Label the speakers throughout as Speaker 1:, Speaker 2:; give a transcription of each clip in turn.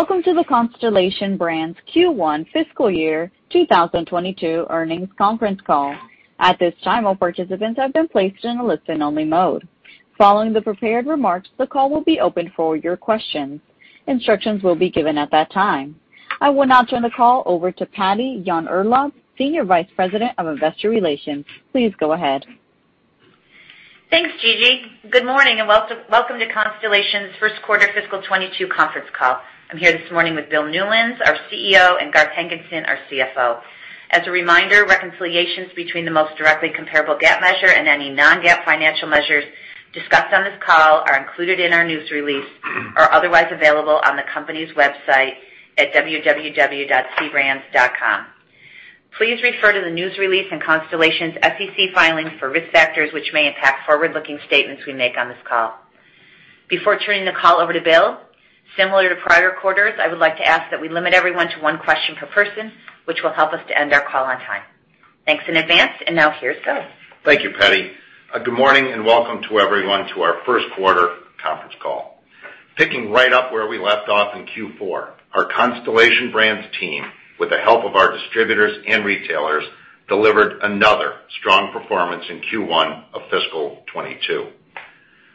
Speaker 1: Welcome to the Constellation Brands Q1 fiscal year 2022 Earnings Conference Call. At this time, all participants have been placed in a listen only mode. Following the prepared remarks the call will be open for your question. Instructions will be given at that time. I will now turn the call over to Patty Yahn-Urlaub, Senior Vice President of Investor Relations. Please go ahead.
Speaker 2: Thanks, Gigi. Good morning. Welcome to Constellation's first quarter fiscal 2022 conference call. I'm here this morning with Bill Newlands, our CEO, and Garth Hankinson, our CFO. As a reminder, reconciliations between the most directly comparable GAAP measure and any non-GAAP financial measures discussed on this call are included in our news release or otherwise available on the company's website at www.cbrands.com. Please refer to the news release and Constellation's SEC filings for risk factors which may impact forward-looking statements we make on this call. Before turning the call over to Bill, similar to prior quarters, I would like to ask that we limit everyone to one question per person, which will help us to end our call on time. Thanks in advance. Now here's Bill.
Speaker 3: Thank you, Patty. Good morning, and welcome to everyone to our first quarter conference call. Picking right up where we left off in Q4, our Constellation Brands team, with the help of our distributors and retailers, delivered another strong performance in Q1 of fiscal 2022.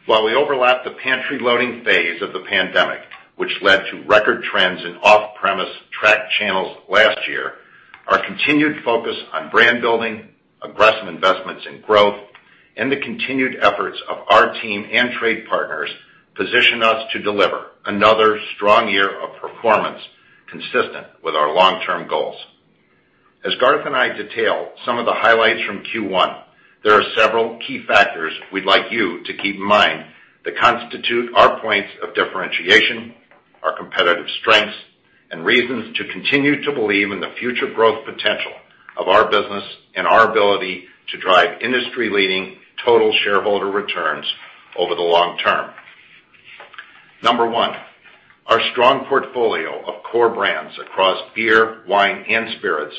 Speaker 3: While we overlap the pantry loading phase of the pandemic, which led to record trends in off-premise track channels last year, our continued focus on brand building, aggressive investments in growth, and the continued efforts of our team and trade partners position us to deliver another strong year of performance consistent with our long-term goals. As Garth and I detail some of the highlights from Q1, there are several key factors we'd like you to keep in mind that constitute our points of differentiation, our competitive strengths, and reasons to continue to believe in the future growth potential of our business and our ability to drive industry-leading total shareholder returns over the long term. Number one, our strong portfolio of core brands across beer, wine, and spirits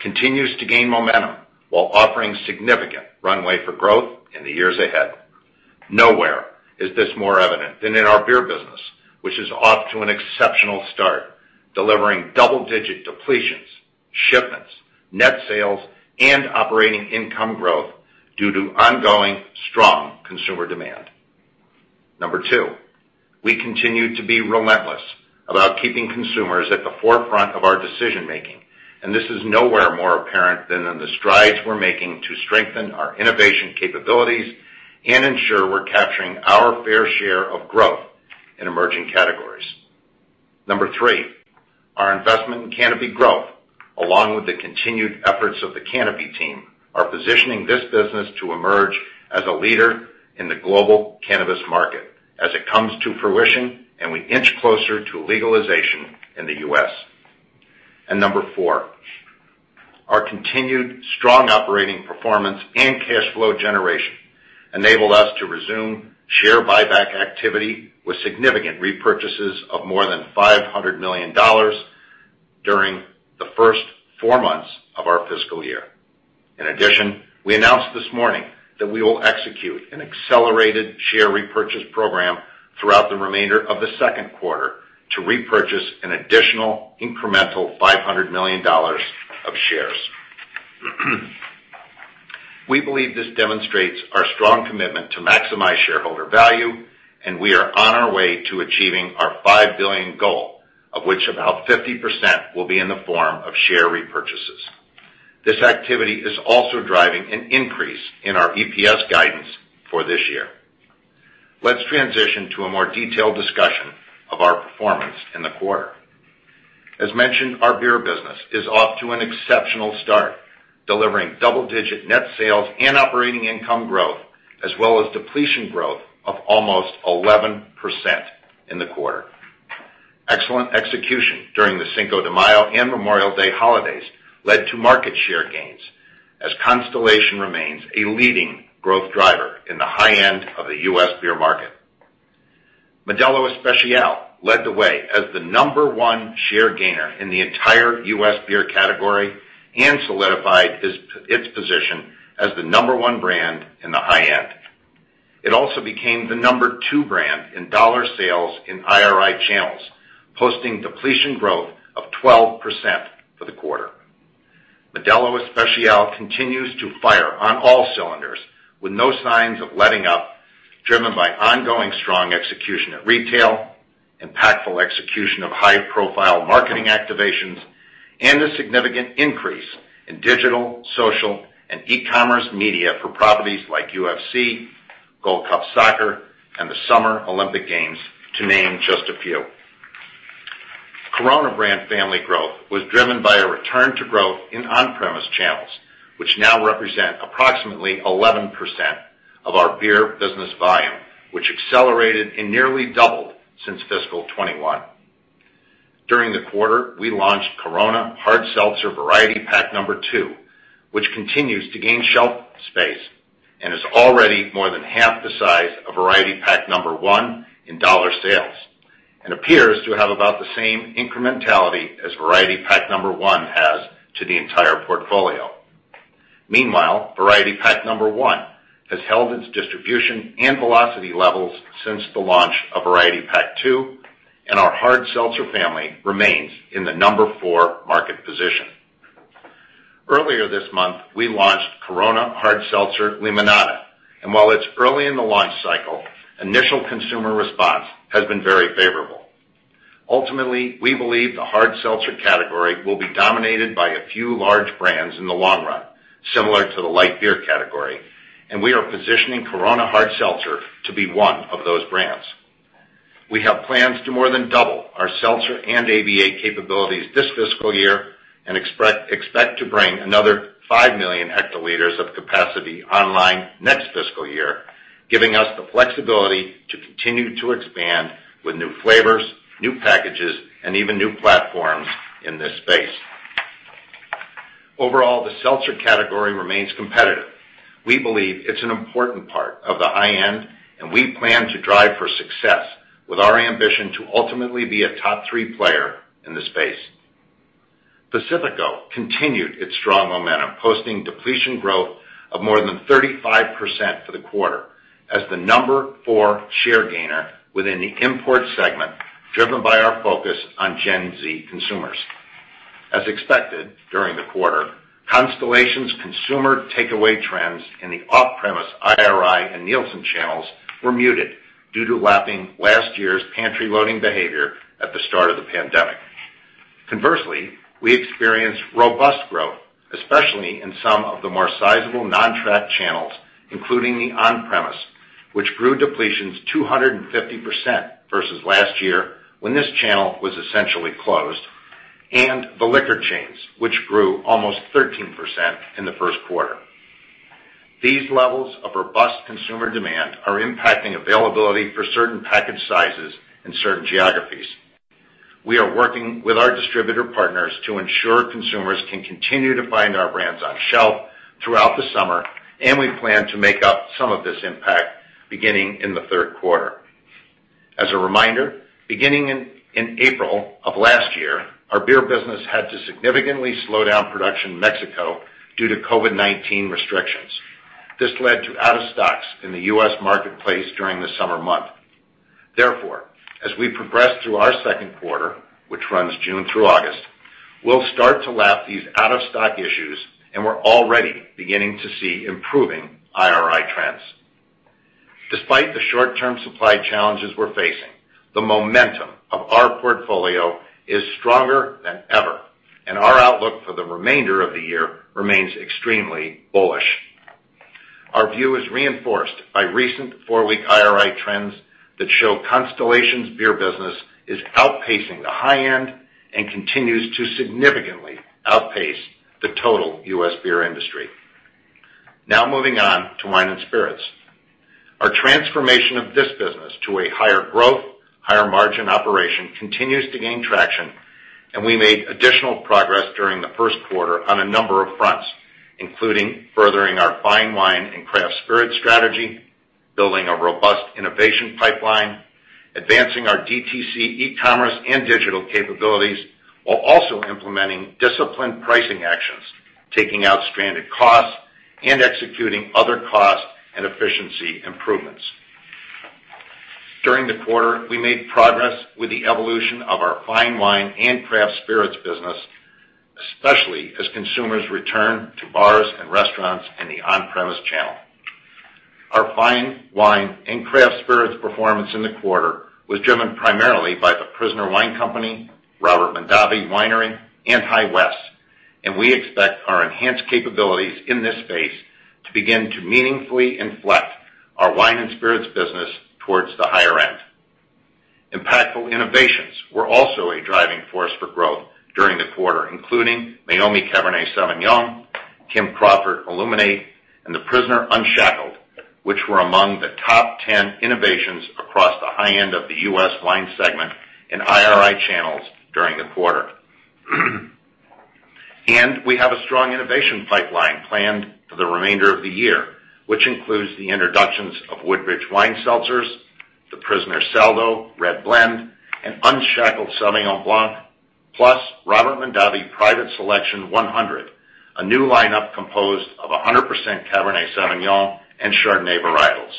Speaker 3: continues to gain momentum while offering significant runway for growth in the years ahead. Nowhere is this more evident than in our beer business, which is off to an exceptional start, delivering double-digit depletions, shipments, net sales, and operating income growth due to ongoing strong consumer demand. Number two, we continue to be relentless about keeping consumers at the forefront of our decision-making, this is nowhere more apparent than in the strides we're making to strengthen our innovation capabilities and ensure we're capturing our fair share of growth in emerging categories. Number three, our investment in Canopy Growth, along with the continued efforts of the Canopy team, are positioning this business to emerge as a leader in the global cannabis market as it comes to fruition and we inch closer to legalization in the U.S. Number four, our continued strong operating performance and cash flow generation enabled us to resume share buyback activity with significant repurchases of more than $500 million during the first four months of our fiscal year. In addition, we announced this morning that we will execute an accelerated share repurchase program throughout the remainder of the second quarter to repurchase an additional incremental $500 million of shares. We believe this demonstrates our strong commitment to maximize shareholder value. We are on our way to achieving our $5 billion goal, of which about 50% will be in the form of share repurchases. This activity is also driving an increase in our EPS guidance for this year. Let's transition to a more detailed discussion of our performance in the quarter. As mentioned, our beer business is off to an exceptional start, delivering double-digit net sales and operating income growth, as well as depletion growth of almost 11% in the quarter. Excellent execution during the Cinco de Mayo and Memorial Day holidays led to market share gains as Constellation remains a leading growth driver in the high end of the U.S. beer market. Modelo Especial led the way as the number one share gainer in the entire U.S. beer category and solidified its position as the number one brand in the high end. It also became the number two brand in dollar sales in IRI channels, posting depletion growth of 12% for the quarter. Modelo Especial continues to fire on all cylinders with no signs of letting up, driven by ongoing strong execution at retail, impactful execution of high profile marketing activations, and a significant increase in digital, social, and e-commerce media for properties like UFC, Gold Cup Soccer, and the Summer Olympic Games, to name just a few. Corona brand family growth was driven by a return to growth in on-premise channels, which now represent approximately 11% of our beer business volume, which accelerated and nearly doubled since fiscal 2021. During the quarter, we launched Corona Hard Seltzer Variety Pack number two, which continues to gain shelf space and is already more than half the size of Variety Pack number one in dollar sales and appears to have about the same incrementality as Variety Pack number one has to the entire portfolio. Meanwhile, Variety Pack number one has held its distribution and velocity levels since the launch of Variety Pack two, and our hard seltzer family remains in the number four market position. Earlier this month, we launched Corona Hard Seltzer Limonada, and while it's early in the launch cycle, initial consumer response has been very favorable. Ultimately, we believe the hard seltzer category will be dominated by a few large brands in the long run, similar to the light beer category, and we are positioning Corona Hard Seltzer to be one of those brands. We have plans to more than double our seltzer and ABA capabilities this fiscal year and expect to bring another 5 million hectoliters of capacity online next fiscal year, giving us the flexibility to continue to expand with new flavors, new packages, and even new platforms in this space. Overall, the seltzer category remains competitive. We believe it's an important part of the IN, and we plan to drive for success with our ambition to ultimately be a top three player in the space. Pacifico continued its strong momentum, posting depletion growth of more than 35% for the quarter as the number four share gainer within the import segment, driven by our focus on Gen Z consumers. As expected during the quarter, Constellation's consumer takeaway trends in the off-premise IRI and Nielsen channels were muted due to lapping last year's pantry loading behavior at the start of the pandemic. Conversely, we experienced robust growth, especially in some of the more sizable non-tracked channels, including the on-premise, which grew depletions 250% versus last year when this channel was essentially closed, and the liquor chains, which grew almost 13% in the first quarter. These levels of robust consumer demand are impacting availability for certain package sizes in certain geographies. We are working with our distributor partners to ensure consumers can continue to find our brands on shelf throughout the summer. We plan to make up some of this impact beginning in the third quarter. As a reminder, beginning in April of last year, our beer business had to significantly slow down production in Mexico due to COVID-19 restrictions. This led to out of stocks in the U.S. marketplace during the summer months. As we progress through our second quarter, which runs June through August, we'll start to lap these out-of-stock issues. We're already beginning to see improving IRI trends. Despite the short-term supply challenges we're facing, the momentum of our portfolio is stronger than ever. Our outlook for the remainder of the year remains extremely bullish. Our view is reinforced by recent four week IRI trends that show Constellation's beer business is outpacing the high end and continues to significantly outpace the total U.S. beer industry. Moving on to wine and spirits. Our transformation of this business to a higher growth, higher margin operation continues to gain traction, and we made additional progress during the first quarter on a number of fronts, including furthering our fine wine and craft spirit strategy, building a robust innovation pipeline, advancing our DTC, e-commerce, and digital capabilities, while also implementing disciplined pricing actions, taking out stranded costs, and executing other cost and efficiency improvements. During the quarter, we made progress with the evolution of our fine wine and craft spirits business, especially as consumers return to bars and restaurants and the on-premise channel. Our fine wine and craft spirits performance in the quarter was driven primarily by The Prisoner Wine Company, Robert Mondavi Winery, and High West, and we expect our enhanced capabilities in this space to begin to meaningfully inflect our wine and spirits business towards the higher end. Impactful innovations were also a driving force for growth during the quarter, including Meiomi Cabernet Sauvignon, Kim Crawford Illuminate, and The Prisoner Unshackled, which were among the top 10 innovations across the high end of the U.S. wine segment in IRI channels during the quarter. We have a strong innovation pipeline planned for the remainder of the year, which includes the introductions of Woodbridge Wine Seltzers, The Prisoner SALDO Red Blend, and Unshackled Sauvignon Blanc, plus Robert Mondavi Private Selection 100, a new lineup composed of 100% Cabernet Sauvignon and Chardonnay varietals.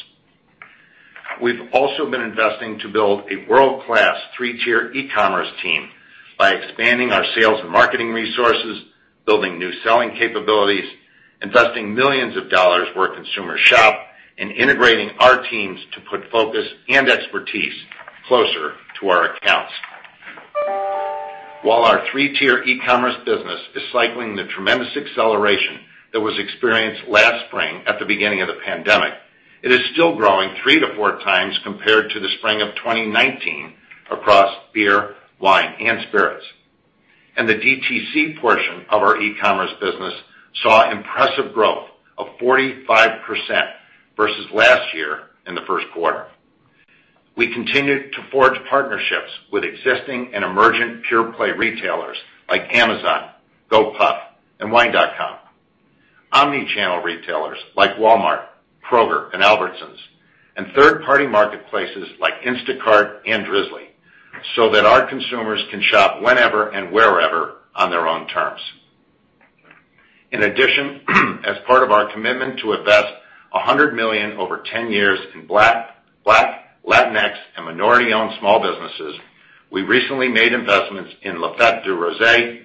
Speaker 3: We've also been investing to build a world-class three tier e-commerce team by expanding our sales and marketing resources, building new selling capabilities, investing millions of dollars where consumers shop, and integrating our teams to put focus and expertise closer to our accounts. While our three tier e-commerce business is cycling the tremendous acceleration that was experienced last spring at the beginning of the pandemic, it is still growing three to four times compared to the spring of 2019 across beer, wine, and spirits. The DTC portion of our e-commerce business saw impressive growth of 45% versus last year in the first quarter. We continued to forge partnerships with existing and emergent pure play retailers like Amazon, Gopuff, and Wine.com, omni-channel retailers like Walmart, Kroger, and Albertsons, and third-party marketplaces like Instacart and Drizly. That our consumers can shop whenever and wherever on their own terms. In addition, as part of our commitment to invest $100 million over 10 years in Black, Latinx, and minority-owned small businesses, we recently made investments in La Fête du Rosé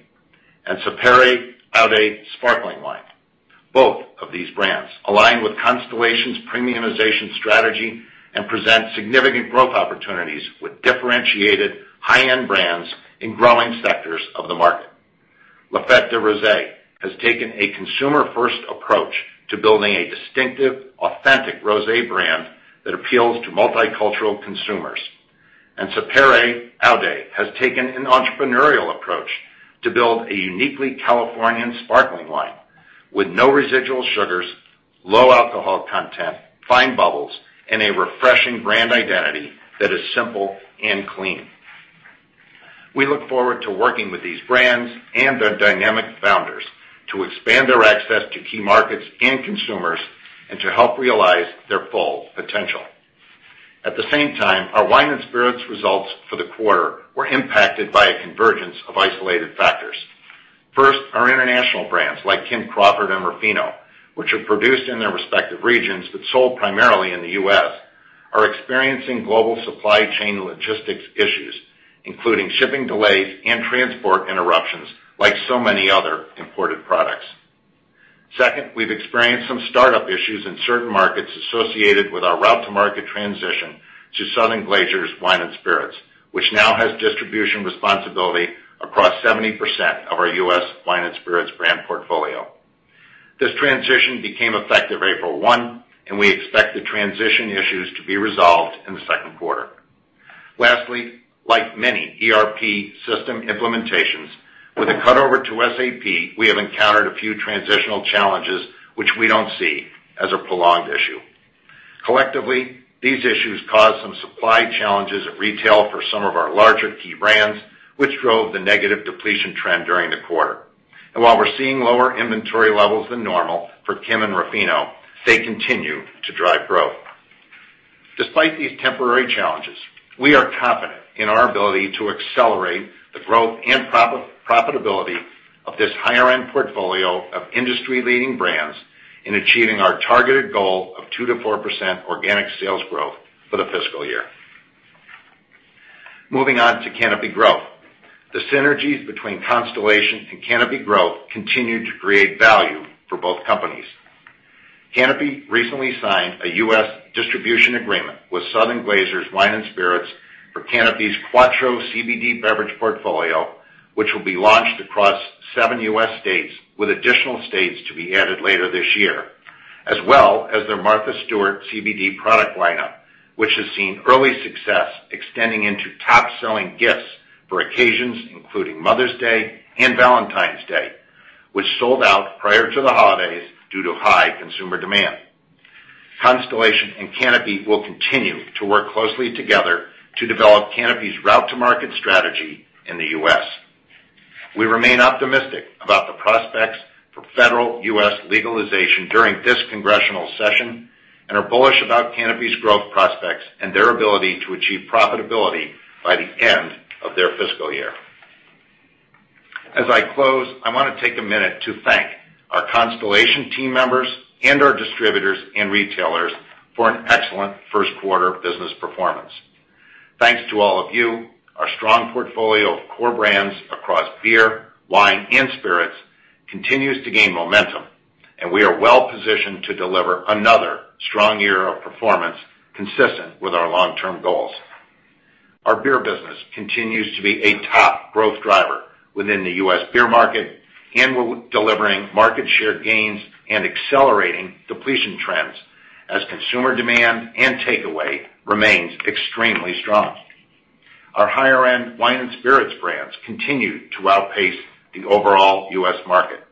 Speaker 3: and Sapere Aude sparkling wine. Both of these brands align with Constellation's premiumization strategy and present significant growth opportunities with differentiated high-end brands in growing sectors of the market. La Fête du Rosé has taken a consumer-first approach to building a distinctive, authentic rosé brand that appeals to multicultural consumers. Sapere Aude has taken an entrepreneurial approach to build a uniquely Californian sparkling wine with no residual sugars, low alcohol content, fine bubbles, and a refreshing brand identity that is simple and clean. We look forward to working with these brands and their dynamic founders to expand their access to key markets and consumers, and to help realize their full potential. At the same time, our wine and spirits results for the quarter were impacted by a convergence of isolated factors. First, our international brands like Kim Crawford and Ruffino, which are produced in their respective regions but sold primarily in the U.S., are experiencing global supply chain logistics issues, including shipping delays and transport interruptions, like so many other imported products. Second, we've experienced some startup issues in certain markets associated with our route-to-market transition to Southern Glazer's Wine and Spirits, which now has distribution responsibility across 70% of our U.S. wine and spirits brand portfolio. This transition became effective April 1, and we expect the transition issues to be resolved in the second quarter. Lastly, like many ERP system implementations, with the cut-over to SAP, we have encountered a few transitional challenges which we don't see as a prolonged issue. Collectively, these issues caused some supply challenges at retail for some of our larger key brands, which drove the negative depletion trend during the quarter. While we're seeing lower inventory levels than normal for Kim and Ruffino, they continue to drive growth. Despite these temporary challenges, we are confident in our ability to accelerate the growth and profitability of this higher-end portfolio of industry-leading brands in achieving our targeted goal of 2%-4% organic sales growth for the fiscal year. Moving on to Canopy Growth. The synergies between Constellation and Canopy Growth continue to create value for both companies. Canopy recently signed a U.S. distribution agreement with Southern Glazer's Wine and Spirits for Canopy's Quatreau CBD beverage portfolio, which will be launched across seven U.S. states, with additional states to be added later this year, as well as their Martha Stewart CBD product lineup, which has seen early success extending into top-selling gifts for occasions including Mother's Day and Valentine's Day, which sold out prior to the holidays due to high consumer demand. Constellation and Canopy will continue to work closely together to develop Canopy's route-to-market strategy in the U.S. We remain optimistic about the prospects for federal U.S. legalization during this congressional session and are bullish about Canopy's growth prospects and their ability to achieve profitability by the end of their fiscal year. As I close, I want to take a minute to thank our Constellation team members and our distributors and retailers for an excellent first quarter business performance. Thanks to all of you, our strong portfolio of core brands across beer, wine, and spirits continues to gain momentum, and we are well-positioned to deliver another strong year of performance consistent with our long-term goals. Our beer business continues to be a top growth driver within the U.S. beer market, and we're delivering market share gains and accelerating depletion trends as consumer demand and takeaway remains extremely strong. Our higher-end wine and spirits brands continue to outpace the overall U.S. market.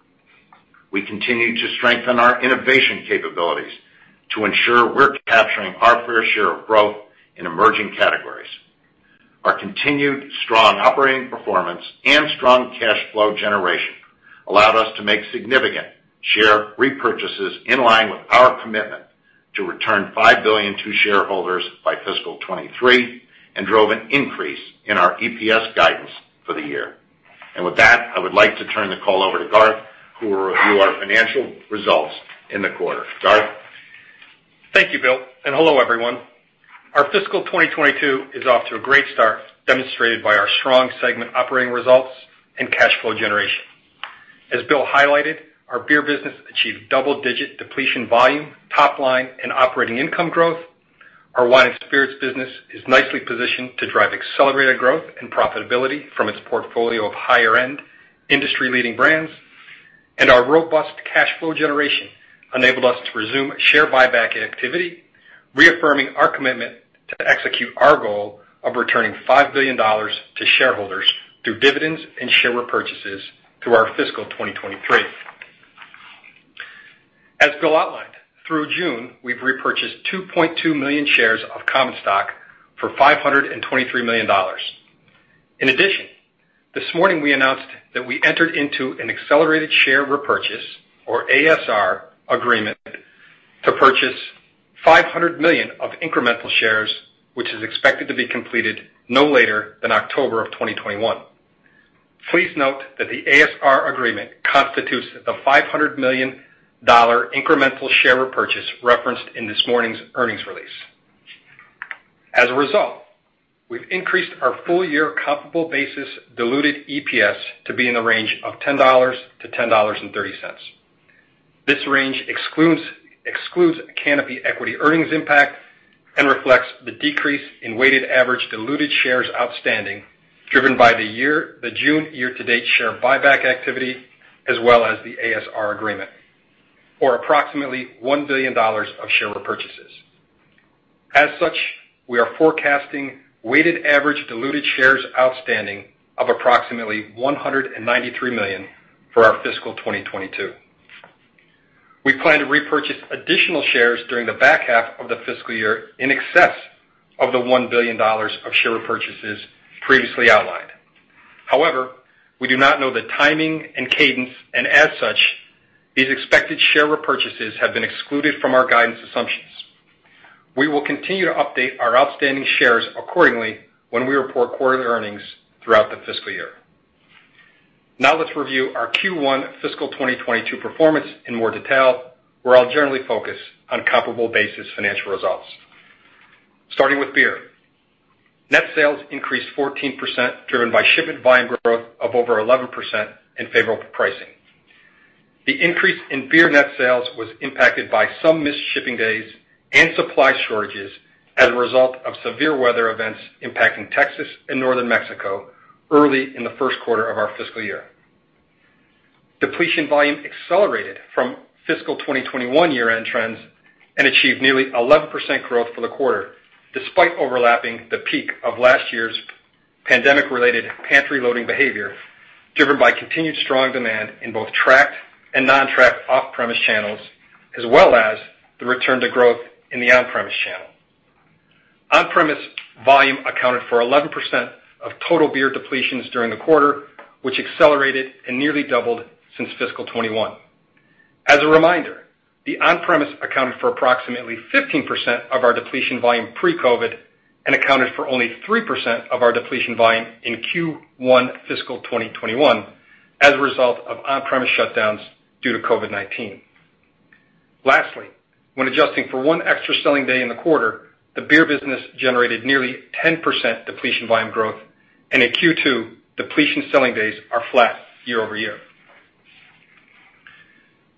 Speaker 3: We continue to strengthen our innovation capabilities to ensure we're capturing our fair share of growth in emerging categories. Our continued strong operating performance and strong cash flow generation allowed us to make significant share repurchases in line with our commitment to return $5 billion to shareholders by fiscal 2023 and drove an increase in our EPS guidance for the year. With that, I would like to turn the call over to Garth, who will review our financial results in the quarter. Garth?
Speaker 4: Thank you, Bill, and hello, everyone. Our fiscal 2022 is off to a great start, demonstrated by our strong segment operating results and cash flow generation. As Bill highlighted, our beer business achieved double-digit depletion volume, top line, and operating income growth. Our wine and spirits business is nicely positioned to drive accelerated growth and profitability from its portfolio of higher-end, industry-leading brands. Our robust cash flow generation enabled us to resume share buyback activity, reaffirming our commitment to execute our goal of returning $5 billion to shareholders through dividends and share repurchases through our fiscal 2023. As Bill outlined, through June, we've repurchased 2.2 million shares of common stock for $523 million. In addition, this morning we announced that we entered into an accelerated share repurchase, or ASR, agreement to purchase $500 million of incremental shares, which is expected to be completed no later than October of 2021. Please note that the ASR agreement constitutes the $500 million incremental share repurchase referenced in this morning's earnings release. As a result, we've increased our full-year comparable basis diluted EPS to be in the range of $10-$10.30. This range excludes Canopy equity earnings impact and reflects the decrease in weighted average diluted shares outstanding, driven by the June year-to-date share buyback activity, as well as the ASR agreement, for approximately $1 billion of share repurchases. As such, we are forecasting weighted average diluted shares outstanding of approximately 193 million for our fiscal 2022. We plan to repurchase additional shares during the back half of the fiscal year in excess of the $1 billion of share repurchases previously outlined. However, we do not know the timing and cadence, and as such, these expected share repurchases have been excluded from our guidance assumptions. We will continue to update our outstanding shares accordingly when we report quarterly earnings throughout the fiscal year. Now let's review our Q1 fiscal 2022 performance in more detail, where I'll generally focus on comparable basis financial results. Starting with beer. Net sales increased 14%, driven by shipment volume growth of over 11% in favorable pricing. The increase in beer net sales was impacted by some missed shipping days and supply shortages as a result of severe weather events impacting Texas and northern Mexico early in the first quarter of our fiscal year. Depletion volume accelerated from fiscal 2021 year-end trends and achieved nearly 11% growth for the quarter, despite overlapping the peak of last year's pandemic-related pantry loading behavior, driven by continued strong demand in both tracked and non-tracked off-premise channels, as well as the return to growth in the on-premise channel. On-premise volume accounted for 11% of total beer depletions during the quarter, which accelerated and nearly doubled since fiscal 2021. As a reminder, the on-premise accounted for approximately 15% of our depletion volume pre-COVID, and accounted for only 3% of our depletion volume in Q1 fiscal 2021 as a result of on-premise shutdowns due to COVID-19. Lastly, when adjusting for one extra selling day in the quarter, the beer business generated nearly 10% depletion volume growth, and in Q2, depletion selling days are flat year-over-year.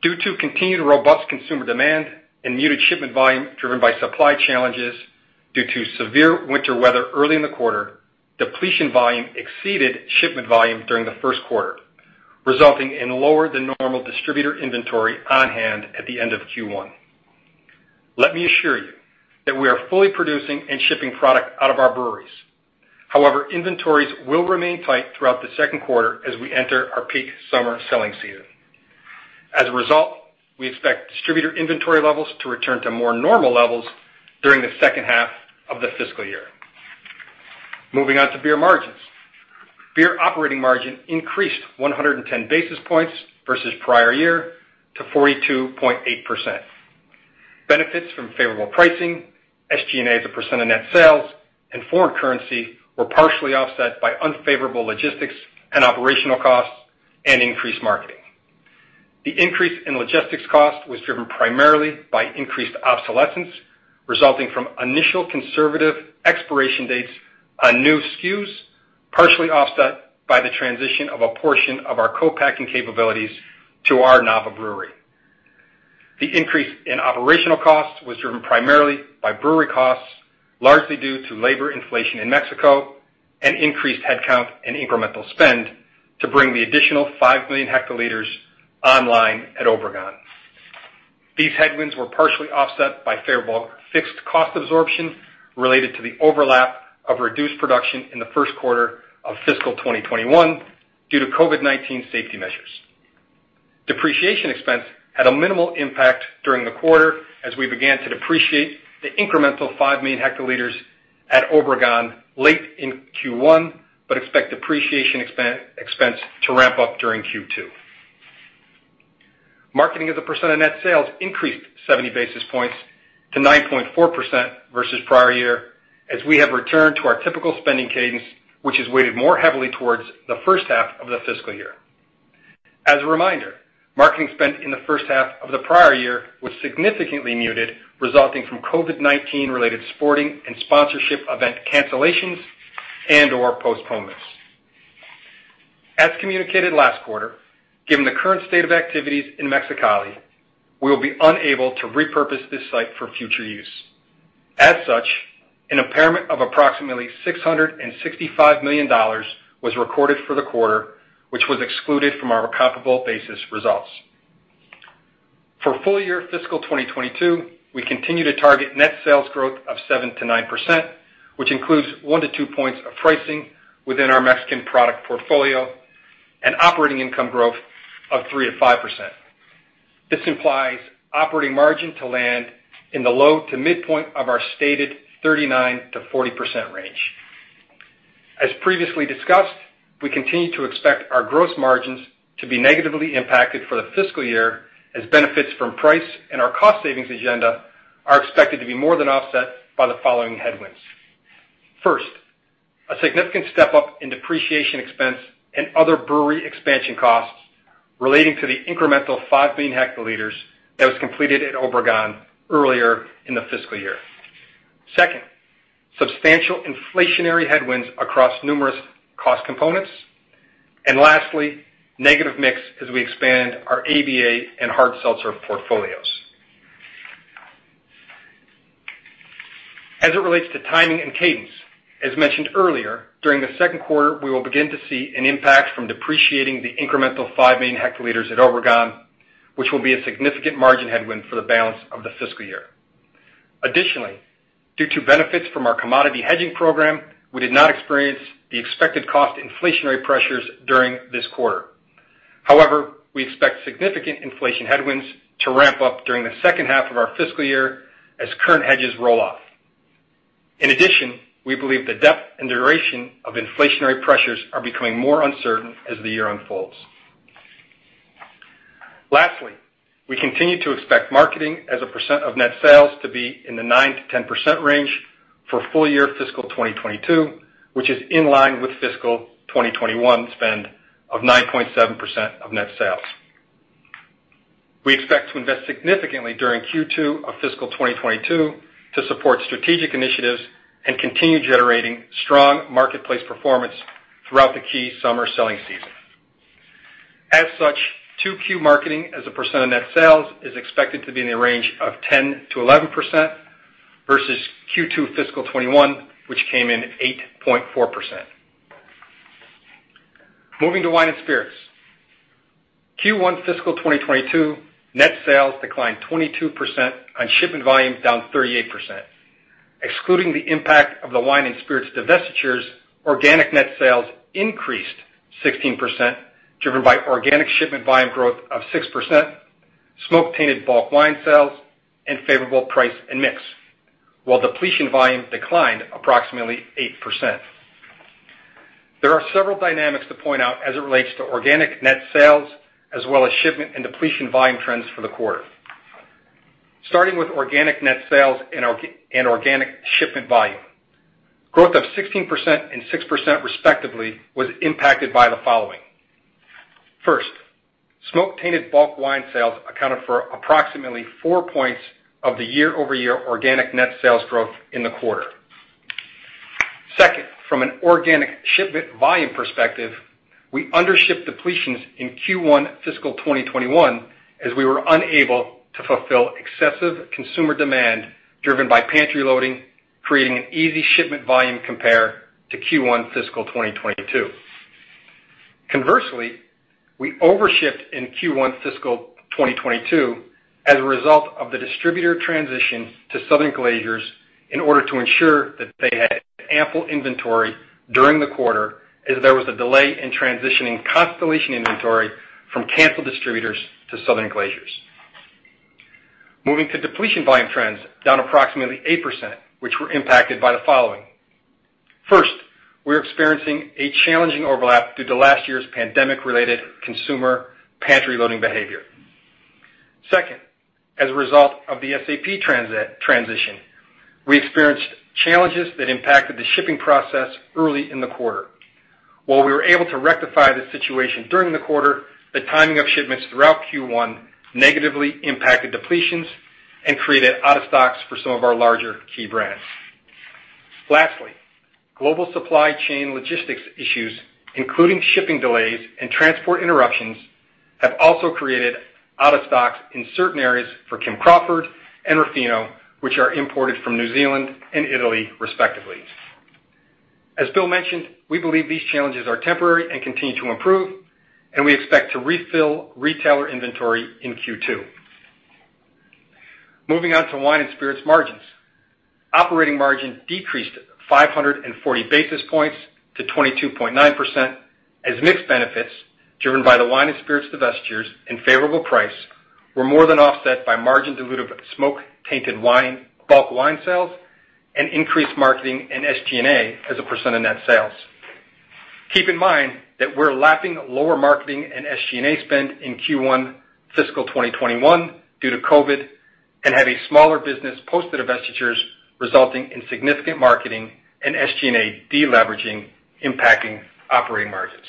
Speaker 4: Due to continued robust consumer demand and muted shipment volume driven by supply challenges due to severe winter weather early in the quarter, depletion volume exceeded shipment volume during the first quarter, resulting in lower than normal distributor inventory on hand at the end of Q1. Let me assure you that we are fully producing and shipping product out of our breweries. However, inventories will remain tight throughout the second quarter as we enter our peak summer selling season. As a result, we expect distributor inventory levels to return to more normal levels during the second half of the fiscal year. Moving on to beer margins. Beer operating margin increased 110 basis points versus prior year to 42.8%. Benefits from favorable pricing, SG&A as a percent of net sales, and foreign currency were partially offset by unfavorable logistics and operational costs and increased marketing. The increase in logistics cost was driven primarily by increased obsolescence resulting from initial conservative expiration dates on new SKUs, partially offset by the transition of a portion of our co-packing capabilities to our Nava brewery. The increase in operational costs was driven primarily by brewery costs, largely due to labor inflation in Mexico and increased headcount and incremental spend to bring the additional 5 million hectoliters online at Obregon. These headwinds were partially offset by favorable fixed cost absorption related to the overlap of reduced production in the 1st quarter of fiscal 2021 due to COVID-19 safety measures. Depreciation expense had a minimal impact during the quarter as we began to depreciate the incremental 5 million hectoliters at Obregon late in Q1, but expect depreciation expense to ramp up during Q2. Marketing as a percent of net sales increased 70 basis points to 9.4% versus prior year as we have returned to our typical spending cadence, which is weighted more heavily towards the 1st half of the fiscal year. As a reminder, marketing spend in the first half of the prior year was significantly muted, resulting from COVID-19 related sporting and sponsorship event cancellations and/or postponements. As communicated last quarter, given the current state of activities in Mexicali, we will be unable to repurpose this site for future use. As such, an impairment of approximately $665 million was recorded for the quarter, which was excluded from our comparable basis results. For full year fiscal 2022, we continue to target net sales growth of 7%-9%, which includes one to two points of pricing within our Mexican product portfolio and operating income growth of 3%-5%. This implies operating margin to land in the low to midpoint of our stated 39%-40% range. As previously discussed, we continue to expect our gross margins to be negatively impacted for the fiscal year as benefits from price and our cost savings agenda are expected to be more than offset by the following headwinds. First, a significant step up in depreciation expense and other brewery expansion costs relating to the incremental 5 million hectoliters that was completed at Obregon earlier in the fiscal year. Second, substantial inflationary headwinds across numerous cost components, and lastly, negative mix as we expand our ABA and hard seltzer portfolios. As it relates to timing and cadence, as mentioned earlier, during the second quarter, we will begin to see an impact from depreciating the incremental 5 million hectoliters at Obregon, which will be a significant margin headwind for the balance of the fiscal year. Additionally, due to benefits from our commodity hedging program, we did not experience the expected cost inflationary pressures during this quarter. However, we expect significant inflation headwinds to ramp up during the second half of our fiscal year as current hedges roll off. In addition, we believe the depth and duration of inflationary pressures are becoming more uncertain as the year unfolds. Lastly, we continue to expect marketing as a percent of net sales to be in the 9%-10% range for full year fiscal 2022, which is in line with fiscal 2021 spend of 9.7% of net sales. We expect to invest significantly during Q2 of fiscal 2022 to support strategic initiatives and continue generating strong marketplace performance throughout the key summer selling season. As such, 2Q marketing as a percent of net sales is expected to be in the range of 10%-11% versus Q2 fiscal 2021, which came in at 8.4%. Moving to wine and spirits. Q1 fiscal 2022 net sales declined 22% on shipment volume down 38%. Excluding the impact of the wine and spirits divestitures, organic net sales increased 16%, driven by organic shipment volume growth of 6%, smoke-tainted bulk wine sales, and favorable price and mix, while depletion volume declined approximately 8%. There are several dynamics to point out as it relates to organic net sales as well as shipment and depletion volume trends for the quarter. Starting with organic net sales and organic shipment volume. Growth of 16% and 6% respectively was impacted by the following. First, smoke-tainted bulk wine sales accounted for approximately four points of the year-over-year organic net sales growth in the quarter. From an organic shipment volume perspective, we undershipped depletions in Q1 fiscal 2021 as we were unable to fulfill excessive consumer demand driven by pantry loading, creating an easy shipment volume compare to Q1 fiscal 2022. Conversely we overshipped in Q1 fiscal 2022 as a result of the distributor transition to Southern Glazer's in order to ensure that they had ample inventory during the quarter as there was a delay in transitioning Constellation inventory from Kansas distributors to Southern Glazer's. Moving to depletion volume trends, down approximately 8%, which were impacted by the following. We're experiencing a challenging overlap due to last year's pandemic-related consumer pantry loading behavior. As a result of the SAP transition, we experienced challenges that impacted the shipping process early in the quarter. While we were able to rectify the situation during the quarter, the timing of shipments throughout Q1 negatively impacted depletions and created out of stocks for some of our larger key brands. Lastly, global supply chain logistics issues, including shipping delays and transport interruptions, have also created out of stocks in certain areas for Kim Crawford and Ruffino, which are imported from New Zealand and Italy respectively. As Bill mentioned, we believe these challenges are temporary and continue to improve, and we expect to refill retailer inventory in Q2. Moving on to wine and spirits margins. Operating margin decreased 540 basis points to 22.9% as mix benefits driven by the wine and spirits divestitures and favorable price were more than offset by margin dilutive f smoke-tainted wine, bulk wine sales, and increased marketing and SG&A as a percent of net sales. Keep in mind that we're lapping lower marketing and SG&A spend in Q1 fiscal 2021 due to COVID and had a smaller business post divestitures, resulting in significant marketing and SG&A deleveraging impacting operating margins.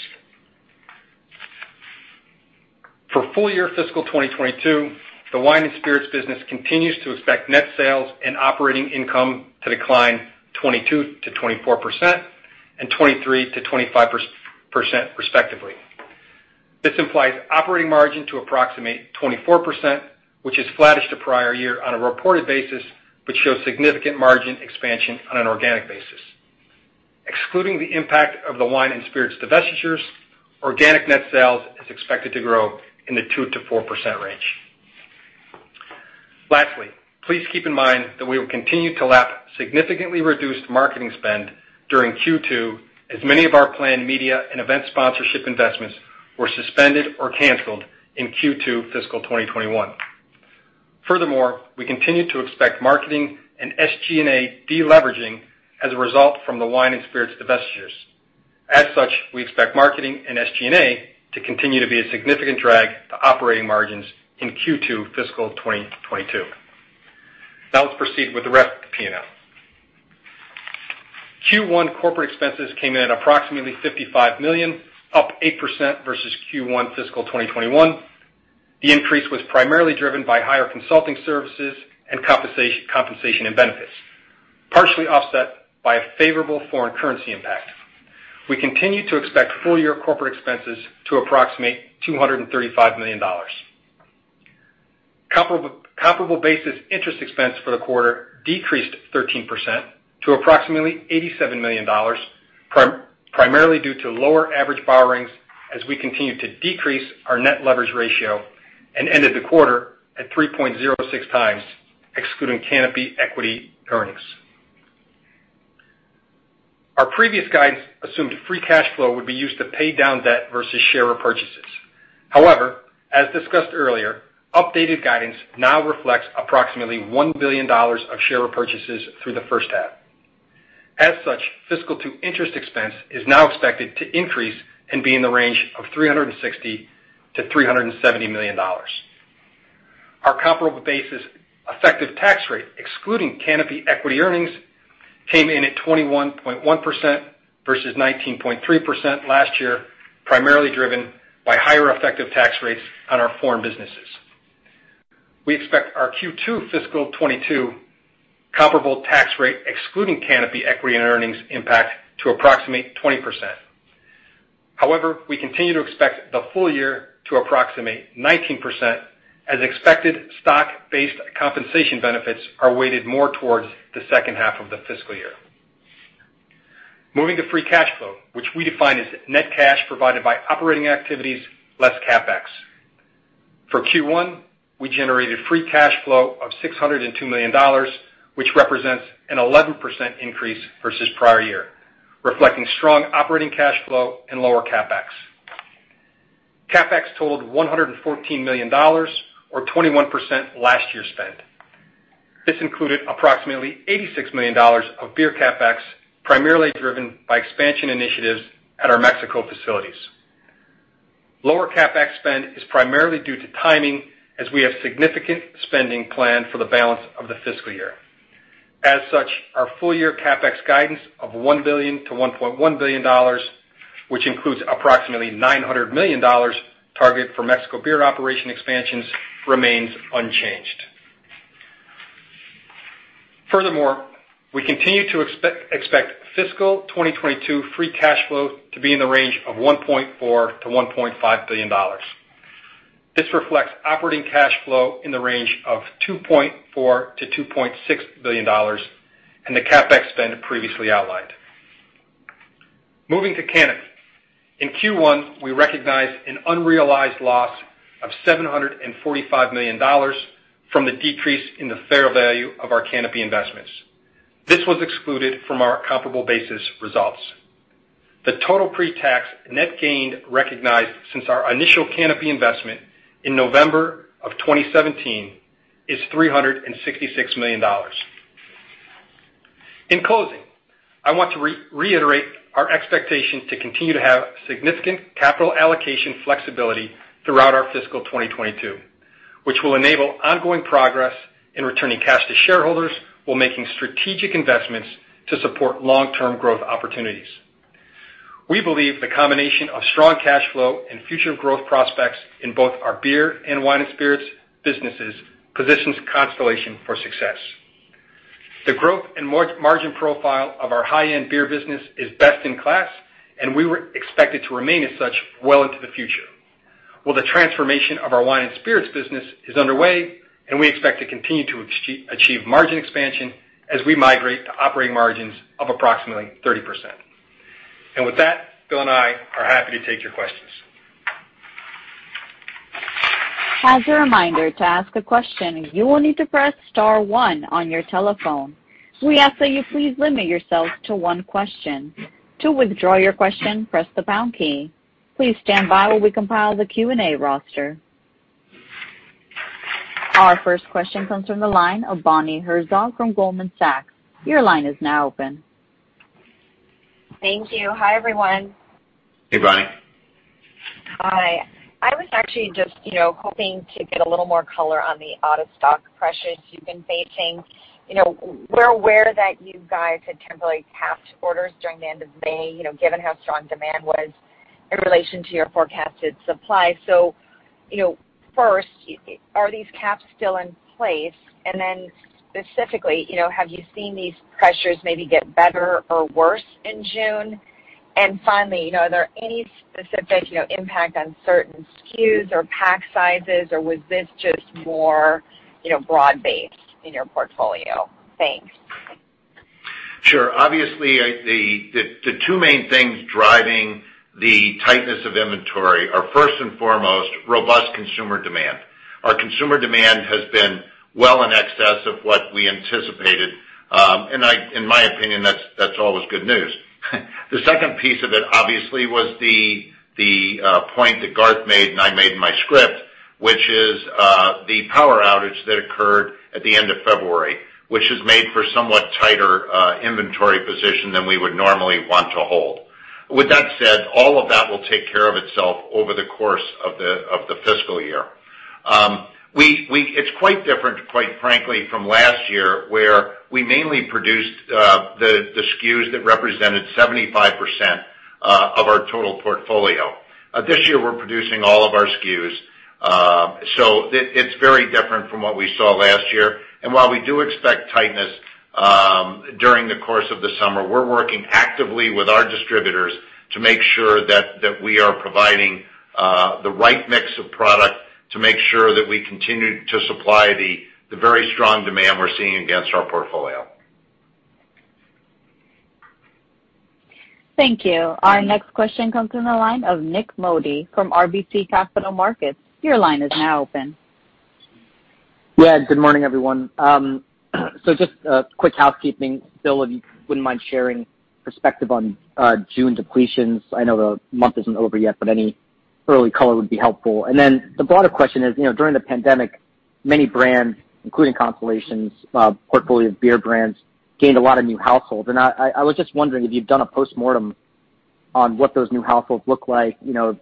Speaker 4: For full year fiscal 2022, the wine and spirits business continues to expect net sales and operating income to decline 22%-24% and 23%-25%, respectively. This implies operating margin to approximate 24%, which is flattish to prior year on a reported basis, shows significant margin expansion on an organic basis. Excluding the impact of the wine and spirits divestitures, organic net sales is expected to grow in the 2%-4% range. Lastly, please keep in mind that we will continue to lap significantly reduced marketing spend during Q2, as many of our planned media and event sponsorship investments were suspended or canceled in Q2 fiscal 2021. We continue to expect marketing and SG&A deleveraging as a result from the wine and spirits divestitures. We expect marketing and SG&A to continue to be a significant drag to operating margins in Q2 fiscal 2022. Let's proceed with the [rep] P&L. Q1 corporate expenses came in at approximately $55 million, up 8% versus Q1 fiscal 2021. The increase was primarily driven by higher consulting services and compensation and benefits, partially offset by a favorable foreign currency impact. We continue to expect full year corporate expenses to approximate $235 million. Comparable basis interest expense for the quarter decreased 13% to approximately $87 million, primarily due to lower average borrowings as we continue to decrease our net leverage ratio and ended the quarter at 3.06x excluding Canopy equity earnings. Our previous guidance assumed free cash flow would be used to pay down debt versus share repurchases. However, as discussed earlier, updated guidance now reflects approximately $1 billion of share repurchases through the first half. As such, fiscal two interest expense is now expected to increase and be in the range of $360 million-$370 million. Our comparable basis effective tax rate, excluding Canopy equity earnings, came in at 21.1% versus 19.3% last year, primarily driven by higher effective tax rates on our foreign businesses. We expect our Q2 fiscal 2022 comparable tax rate, excluding Canopy equity and earnings impact, to approximate 20%. However, we continue to expect the full year to approximate 19% as expected stock-based compensation benefits are weighted more towards the second half of the fiscal year. Moving to free cash flow, which we define as net cash provided by operating activities less CapEx. For Q1, we generated free cash flow of $602 million, which represents an 11% increase versus prior year, reflecting strong operating cash flow and lower CapEx. CapEx totaled $114 million, or 21% last year's spend. This included approximately $86 million of beer CapEx, primarily driven by expansion initiatives at our Mexico facilities. Lower CapEx spend is primarily due to timing as we have significant spending planned for the balance of the fiscal year. As such, our full year CapEx guidance of $1 billion-$1.1 billion, which includes approximately $900 million targeted for Mexico beer operation expansions, remains unchanged. Furthermore, we continue to expect fiscal 2022 free cash flow to be in the range of $1.4 billion-$1.5 billion. This reflects operating cash flow in the range of $2.4 billion-$2.6 billion and the CapEx spend previously outlined. Moving to Canopy. In Q1, we recognized an unrealized loss of $745 million from the decrease in the fair value of our Canopy investments. This was excluded from our comparable basis results. The total pre-tax net gain recognized since our initial Canopy investment in November of 2017 is $366 million. In closing, I want to reiterate our expectation to continue to have significant capital allocation flexibility throughout our fiscal 2022, which will enable ongoing progress in returning cash to shareholders while making strategic investments to support long-term growth opportunities. We believe the combination of strong cash flow and future growth prospects in both our beer and wine and spirits businesses positions Constellation for success. The growth and margin profile of our high-end beer business is best in class, and we expect it to remain as such well into the future, while the transformation of our wine and spirits business is underway, and we expect to continue to achieve margin expansion as we migrate to operating margins of approximately 30%. With that, Bill and I are happy to take your questions.
Speaker 1: Reminder to ask a question, you'll need to press star one on your telephone. We ask that you please limit yourself to one question. To withdraw your question, press the pound key. Please stand by while we compile the Q and A roster. Our first question comes from the line of Bonnie Herzog from Goldman Sachs.
Speaker 5: Thank you. Hi, everyone.
Speaker 4: Hey, Bonnie.
Speaker 5: Hi. I was actually just hoping to get a little more color on the out of stock pressures you've been facing. We're aware that you guys had temporarily capped orders during the end of May, given how strong demand was in relation to your forecasted supply. First, are these caps still in place? Specifically, have you seen these pressures maybe get better or worse in June? Finally, are there any specific impact on certain SKUs or pack sizes, or was this just more broad-based in your portfolio? Thanks.
Speaker 3: Sure. Obviously, the two main things driving the tightness of inventory are first and foremost, robust consumer demand. Our consumer demand has been well in excess of what we anticipated. In my opinion, that's all the good news. The second piece of it obviously was the point that Garth made and I made in my script, which is the power outage that occurred at the end of February, which has made for somewhat tighter inventory position than we would normally want to hold. With that said, all of that will take care of itself over the course of the fiscal year. It's quite different, quite frankly, from last year, where we mainly produced the SKUs that represented 75% of our total portfolio. This year we're producing all of our SKUs. It's very different from what we saw last year. While we do expect tightness during the course of the summer, we're working actively with our distributors to make sure that we are providing the right mix of product to make sure that we continue to supply the very strong demand we're seeing against our portfolio.
Speaker 1: Thank you. Our next question comes from the line of Nik Modi from RBC Capital Markets. Your line is now open.
Speaker 6: Yeah, good morning, everyone. Just a quick housekeeping. Bill, if you wouldn't mind sharing perspective on June depletions. I know the month isn't over yet, but any early color would be helpful. The broader question is, during the pandemic, many brands, including Constellation's portfolio of beer brands, gained a lot of new households. I was just wondering if you've done a postmortem on what those new households look like.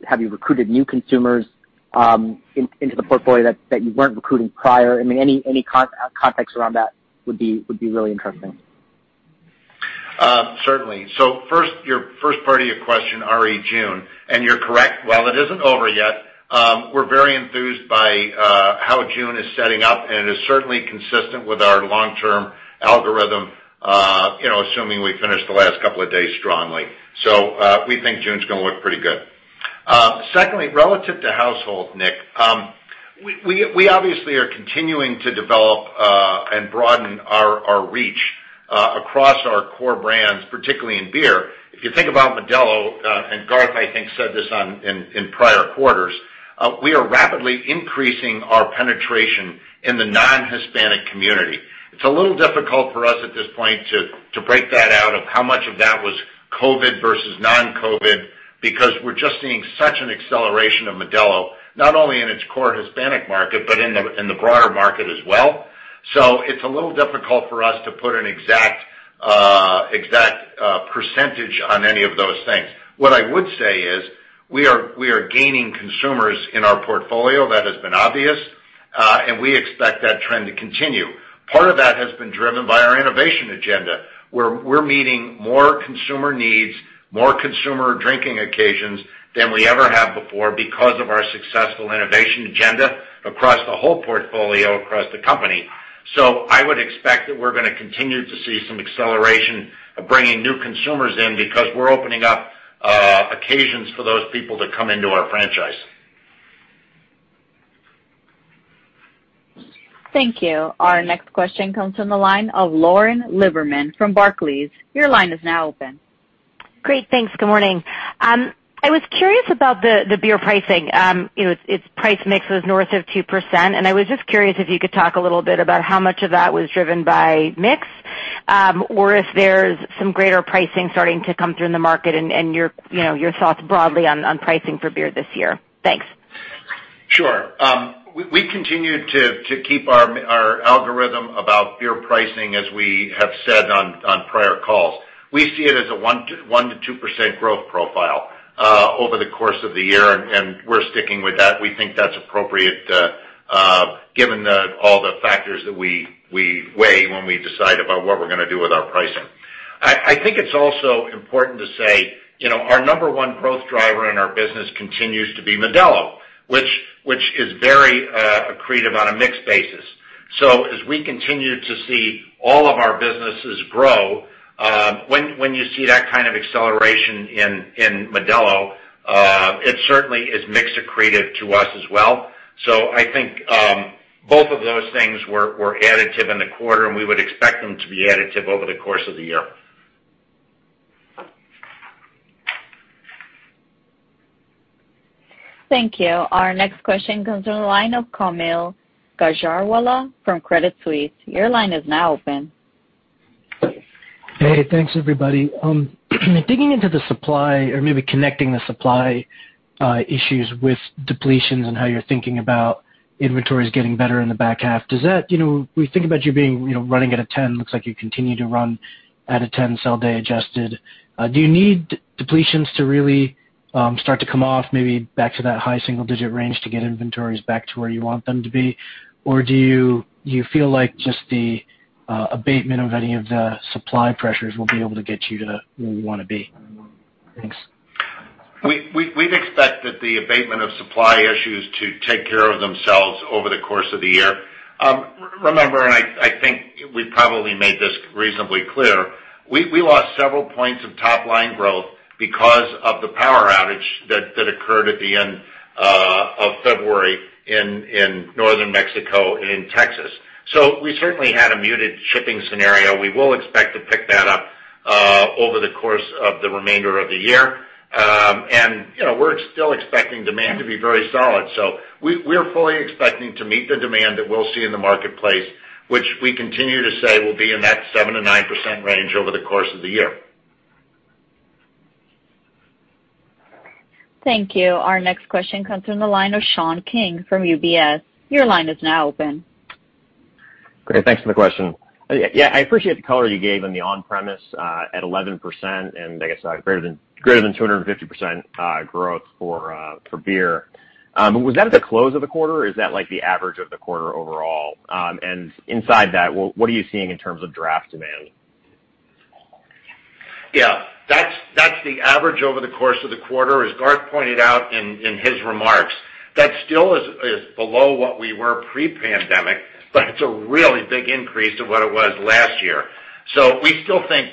Speaker 6: Have you recruited new consumers into the portfolio that you weren't recruiting prior? I mean, any context around that would be really interesting.
Speaker 3: Certainly. Your first part of your question are June, and you're correct. While it isn't over yet, we're very enthused by how June is setting up, and is certainly consistent with our long-term algorithm, assuming we finish the last couple of days strongly. We think June's going to look pretty good. Secondly, relative to households, Nik, we obviously are continuing to develop, and broaden our reach across our core brands, particularly in beer. If you think about Modelo, and Garth, I think, said this in prior quarters, we are rapidly increasing our penetration in the non-Hispanic community. It's a little difficult for us at this point to break that out of how much of that was COVID versus non-COVID, because we're just seeing such an acceleration of Modelo, not only in its core Hispanic market, but in the broader market as well. It's a little difficult for us to put an exact percentage on any of those things. What I would say is, we are gaining consumers in our portfolio, that has been obvious, and we expect that trend to continue. Part of that has been driven by our innovation agenda, where we're meeting more consumer needs, more consumer drinking occasions than we ever have before because of our successful innovation agenda across the whole portfolio, across the company. I would expect that we're going to continue to see some acceleration of bringing new consumers in because we're opening up occasions for those people to come into our franchise.
Speaker 1: Thank you. Our next question comes from the line of Lauren Lieberman from Barclays. Your line is now open.
Speaker 7: Great. Thanks. Good morning. I was curious about the beer pricing. Its price mix was north of 2%. I was just curious if you could talk a little bit about how much of that was driven by mix, or if there's some greater pricing starting to come through the market and your thoughts broadly on pricing for beer this year. Thanks.
Speaker 3: Sure. We continue to keep our algorithm about beer pricing, as we have said on prior calls. We see it as a 1%-2% growth profile over the course of the year, and we're sticking with that. We think that's appropriate given all the factors that we weigh when we decide about what we're going to do with our pricing. I think it's also important to say our number one growth driver in our business continues to be Modelo, which is very accretive on a mix basis. As we continue to see all of our businesses grow, when you see that kind of acceleration in Modelo, it certainly is mix accretive to us as well. I think both of those things were additive in the quarter, and we would expect them to be additive over the course of the year.
Speaker 1: Thank you. Our next question comes from the line of Kaumil Gajrawala from Credit Suisse.
Speaker 8: Hey, thanks everybody. Digging into the supply or maybe connecting the supply issues with depletions and how you're thinking about inventories getting better in the back half. We think about you running at a 10, looks like you continue to run at a 10 sell day adjusted. Do you need depletions to really start to come off, maybe back to that high single-digit range to get inventories back to where you want them to be? Do you feel like just the abatement of any of the supply pressures will be able to get you to where you want to be? Thanks.
Speaker 3: We'd expect that the abatement of supply issues to take care of themselves over the course of the year. Remember, and I think we probably made this reasonably clear, we lost several points of top-line growth because of the power outage that occurred at the end of February in Northern Mexico and in Texas. We certainly had a muted shipping scenario. We will expect to pick that up over the course of the remainder of the year. We're still expecting demand to be very solid. We're fully expecting to meet the demand that we'll see in the marketplace, which we continue to say will be in that 7%-9% range over the course of the year.
Speaker 1: Thank you. Our next question comes from the line of Sean King from UBS. Your line is now open.
Speaker 9: Great. Thanks for the question. Yeah, I appreciate the color you gave on the on-premise, at 11%, and I guess greater than 250% growth for beer. Was that at the close of the quarter, or is that the average of the quarter overall? Inside that, what are you seeing in terms of draft demand?
Speaker 3: Yeah, that's the average over the course of the quarter. As Garth pointed out in his remarks, that still is below what we were pre-pandemic, but it's a really big increase to what it was last year. We still think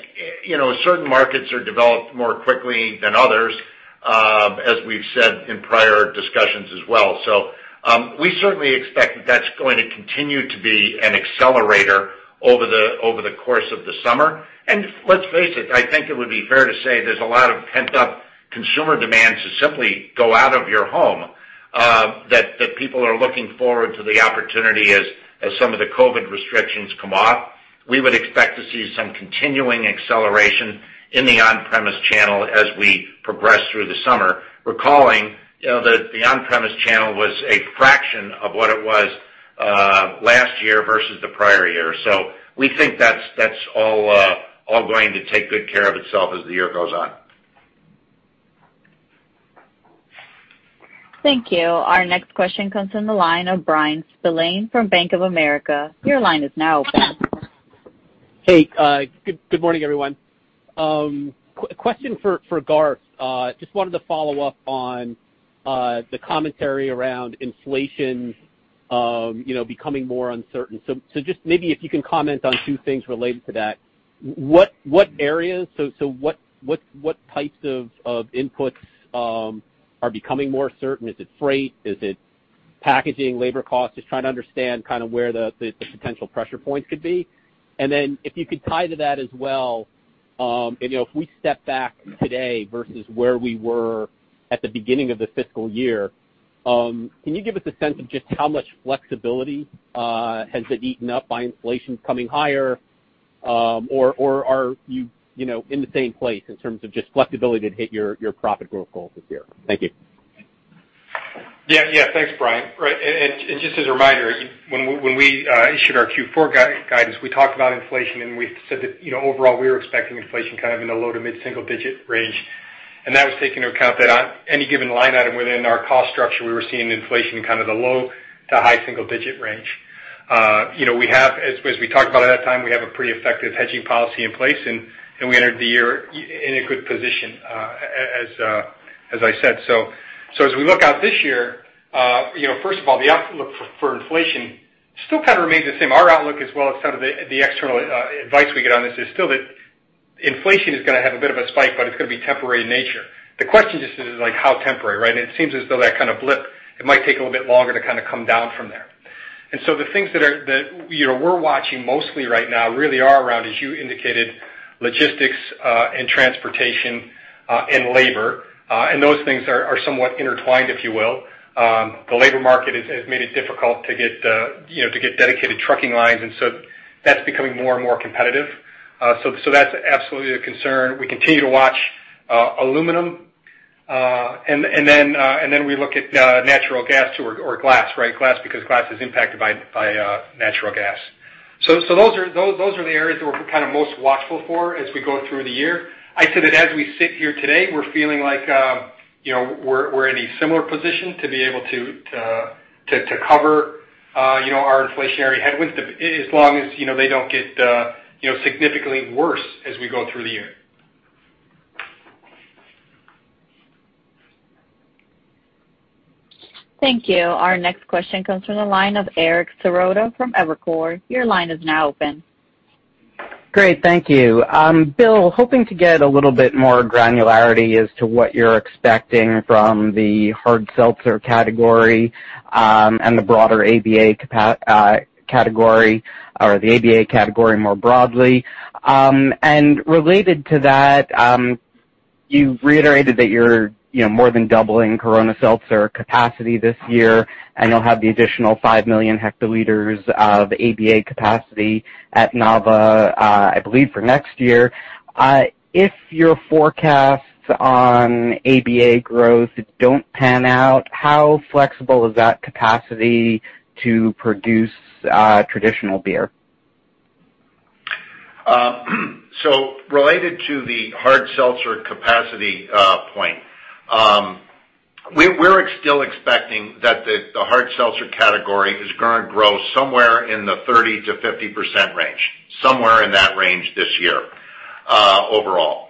Speaker 3: certain markets are developed more quickly than others, as we've said in prior discussions as well. We certainly expect that's going to continue to be an accelerator over the course of the summer. Let's face it, I think it would be fair to say there's a lot of pent-up consumer demand to simply go out of your home, that people are looking forward to the opportunity as some of the COVID restrictions come off. We would expect to see some continuing acceleration in the on-premise channel as we progress through the summer, recalling that the on-premise channel was a fraction of what it was last year versus the prior year. We think that's all going to take good care of itself as the year goes on.
Speaker 1: Thank you. Our next question comes from the line of Bryan Spillane from Bank of America. Your line is now open.
Speaker 10: Hey, good morning, everyone. Question for Garth. Just wanted to follow up on the commentary around inflation becoming more uncertain. Just maybe if you can comment on two things related to that. What areas, so what types of inputs are becoming more certain? Is it freight? Is it packaging, labor costs? Just trying to understand kind of where the potential pressure points could be. If you could tie to that as well, if we step back today versus where we were at the beginning of the fiscal year, can you give us a sense of just how much flexibility has been eaten up by inflation coming higher? Or are you in the same place in terms of just flexibility to hit your profit growth goals this year? Thank you.
Speaker 4: Yeah. Thanks, Bryan. Just as a reminder, when we issued our Q4 guidance, we talked about inflation, and we said that overall, we were expecting inflation kind of in the low- to mid-single-digit range. That was taking into account that on any given line item within our cost structure, we were seeing inflation kind of the low to high single-digit range. As we talked about at that time, we have a pretty effective hedging policy in place, and we entered the year in a good position, as I said. As we look out this year, first of all, the outlook for inflation still kind of remains the same. Our outlook as well as kind of the external advice we get on this is still that inflation is going to have a bit of a spike, but it's going to be temporary in nature. The question just is how temporary, right? It seems as though that kind of blip, it might take a little bit longer to kind of come down from there. The things that we're watching mostly right now really are around, as you indicated, logistics and transportation and labor. Those things are somewhat intertwined, if you will. The labor market has made it difficult to get dedicated trucking lines, and so that's becoming more and more competitive. That's absolutely a concern. We continue to watch aluminum, and then we look at natural gas or glass. Glass, because glass is impacted by natural gas. Those are the areas we're kind of most watchful for as we go through the year. I'd say that as we sit here today, we're feeling like we're in a similar position to be able to cover our inflationary headwinds, as long as they don't get significantly worse as we go through the year.
Speaker 1: Thank you. Our next question comes from the line of Eric Serotta from Evercore. Your line is now open.
Speaker 11: Great, thank you. Bill, hoping to get a little bit more granularity as to what you're expecting from the hard seltzer category, and the broader ABA category, or the ABA category more broadly. Related to that, you've reiterated that you're more than doubling Corona Seltzer capacity this year, and you'll have the additional 5 million hectoliters of ABA capacity at Nava, I believe, for next year. If your forecasts on ABA growth don't pan out, how flexible is that capacity to produce traditional beer?
Speaker 3: Related to the hard seltzer capacity point, we're still expecting that the hard seltzer category is going to grow somewhere in the 30%-50% range, somewhere in that range this year overall.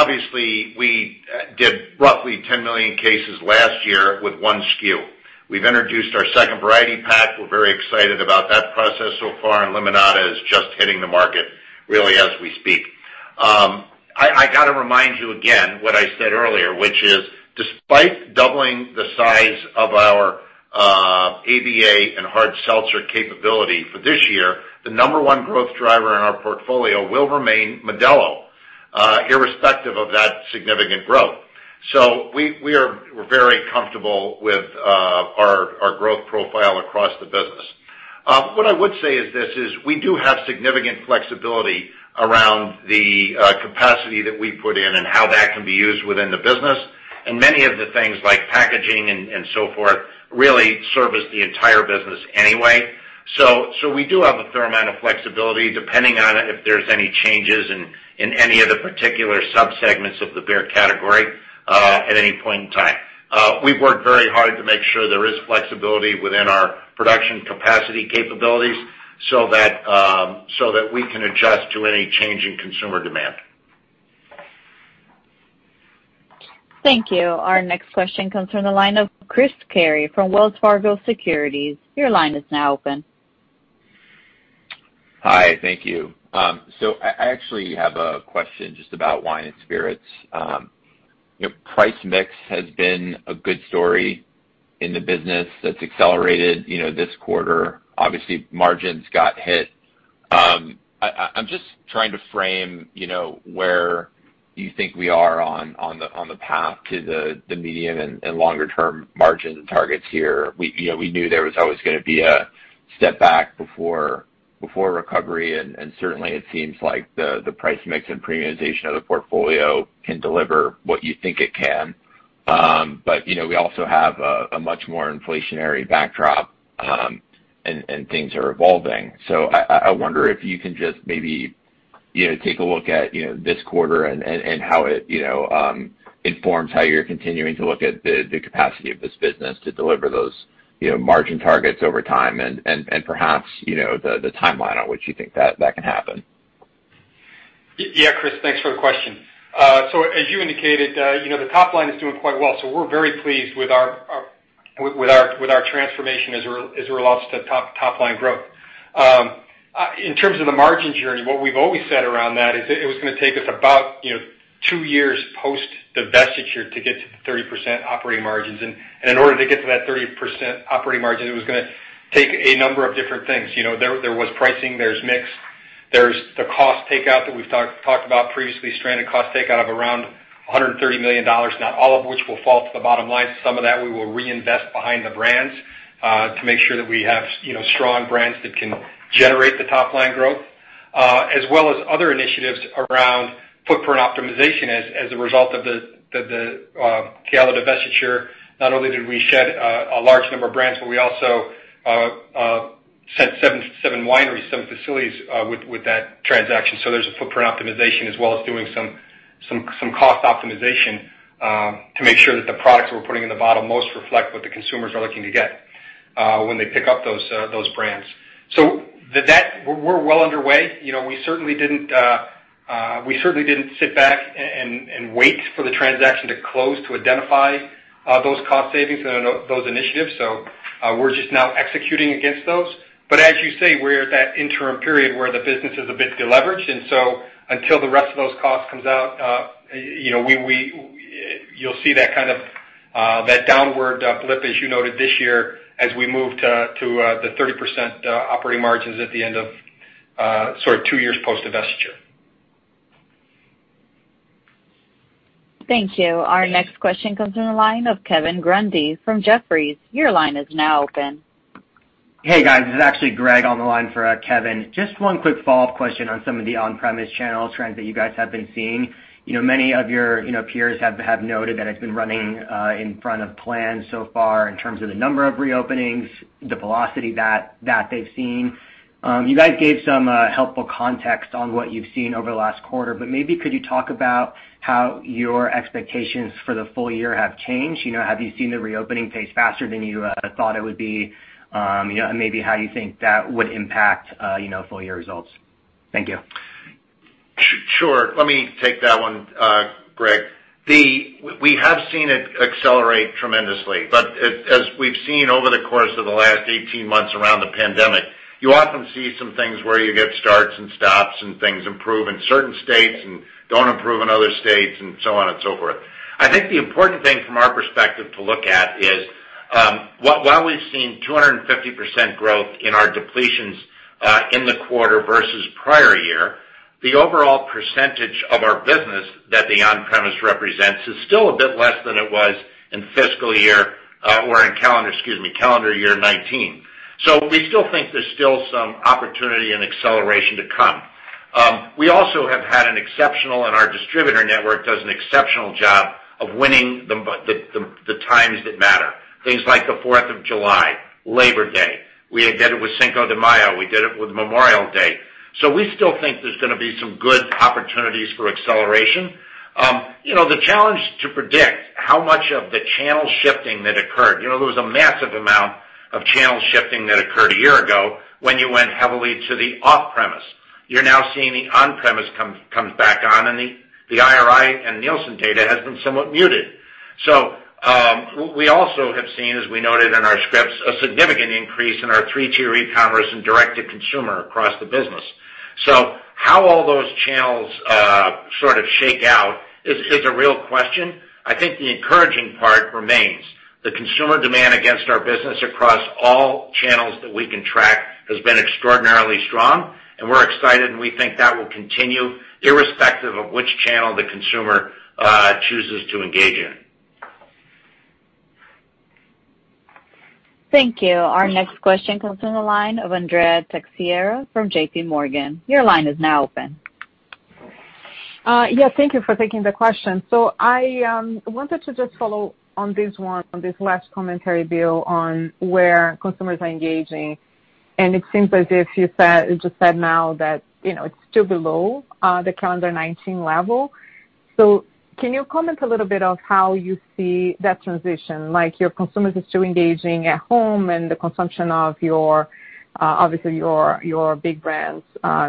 Speaker 3: Obviously, we did roughly 10 million cases last year with one SKU. We've introduced our second variety pack. We're very excited about that process so far, and Limonada is just hitting the market really as we speak. I got to remind you again what I said earlier, which is despite doubling the size of our ABA and hard seltzer capability for this year, the number one growth driver in our portfolio will remain Modelo, irrespective of that significant growth. We're very comfortable with our growth profile across the business. What I would say is this is we do have significant flexibility around the capacity that we put in and how that can be used within the business. Many of the things like packaging and so forth really service the entire business anyway. We do have a fair amount of flexibility, depending on if there's any changes in any of the particular subsegments of the beer category, at any point in time. We've worked very hard to make sure there is flexibility within our production capacity capabilities so that we can adjust to any change in consumer demand.
Speaker 1: Thank you. Our next question comes from the line of Chris Carey from Wells Fargo Securities.
Speaker 12: Hi. Thank you. Actually, I have a question just about wine and spirits. Price mix has been a good story in the business that's accelerated this quarter. Obviously, margins got hit. I'm just trying to frame where you think we are on the path to the medium and longer-term margins and targets here. We knew there was always going to be a step back before recovery, and certainly, it seems like the price mix and premiumization of the portfolio can deliver what you think it can. We also have a much more inflationary backdrop, and things are evolving. I wonder if you can just maybe take a look at this quarter and how it informs how you're continuing to look at the capacity of this business to deliver those margin targets over time and, perhaps, the timeline on which you think that can happen.
Speaker 3: Yeah, Chris, thanks for the question. As you indicated, the top line is doing quite well. We're very pleased with our transformation as it relates to top-line growth. In terms of the margins, what we've always said around that is that it was going to take us about two years post the divestiture to get to the 30% operating margins. In order to get to that 30% operating margin, it was going to take a number of different things. There was pricing, there's mix, there's the cost takeout that we've talked about previously, stranded cost takeout of around $130 million, now all of which will fall to the bottom line. Some of that we will reinvest behind the brands to make sure that we have strong brands that can generate the top line growth, as well as other initiatives around footprint optimization as a result of the Gallo divestiture. Not only did we shed a large number of brands, we also sent seven wineries, seven facilities with that transaction. There's footprint optimization as well as doing some cost optimization to make sure that the products we're putting in the bottle most reflect what the consumers are looking to get when they pick up those brands. With that, we're well underway. We certainly didn't sit back and wait for the transaction to close to identify those cost savings and those initiatives. We're just now executing against those. As you say, we're at that interim period where the business is a bit deleveraged, and so until the rest of those costs comes out, you'll see that downward blip, as you noted this year, as we move to the 30% operating margins at the end of two years post-divestiture.
Speaker 1: Thank you. Our next question comes from the line of Kevin Grundy from Jefferies. Your line is now open.
Speaker 13: Hey, guys. This is actually Greg on the line for Kevin. Just one quick follow-up question on some of the on-premise channel trends that you guys have been seeing. Many of your peers have noted that it's been running in front of plan so far in terms of the number of re-openings, the velocity that they've seen. You guys gave some helpful context on what you've seen over the last quarter. Maybe could you talk about how your expectations for the full year have changed? Have you seen the reopening pace faster than you had thought it would be? Maybe how you think that would impact full-year results. Thank you.
Speaker 3: Sure. Let me take that one, Greg. As we've seen over the course of the last 18 months around the pandemic, you often see some things where you get starts and stops, and things improve in certain states and don't improve in other states, and so on and so forth. I think the important thing from our perspective to look at is, while we've seen 250% growth in our depletions in the quarter versus prior year, the overall percentage of our business that the on-premise represents is still a bit less than it was in fiscal year, or in calendar, excuse me, calendar year 2019. We still think there's still some opportunity and acceleration to come. We also have had an exceptional, and our distributor network does an exceptional job of winning the times that matter. Things like the 4th of July, Labor Day. We did it with Cinco de Mayo. We did it with Memorial Day. We still think there's going to be some good opportunities for acceleration. The challenge to predict how much of the channel shifting that occurred. There was a massive amount of channel shifting that occurred a year ago when you went heavily to the off-premise. You're now seeing the on-premise comes back on, and the IRI and Nielsen data has been somewhat muted. We also have seen, as we noted in our scripts, a significant increase in our three tier e-commerce and direct-to-consumer across the business. How all those channels sort of shake out is a real question. I think the encouraging part remains. The consumer demand against our business across all channels that we can track has been extraordinarily strong, and we're excited, and we think that will continue irrespective of which channel the consumer chooses to engage in.
Speaker 1: Thank you. Our next question comes from the line of Andrea Teixeira from JP Morgan. Your line is now open.
Speaker 14: Yeah, thank you for taking the question. I wanted to just follow on this last commentary, Bill, on where customers are engaging, and it seems like you just said now that it's still below the 2019 level. Can you comment a little bit on how you see that transition? Like, your consumer is still engaging at home and the consumption of, obviously, your big brands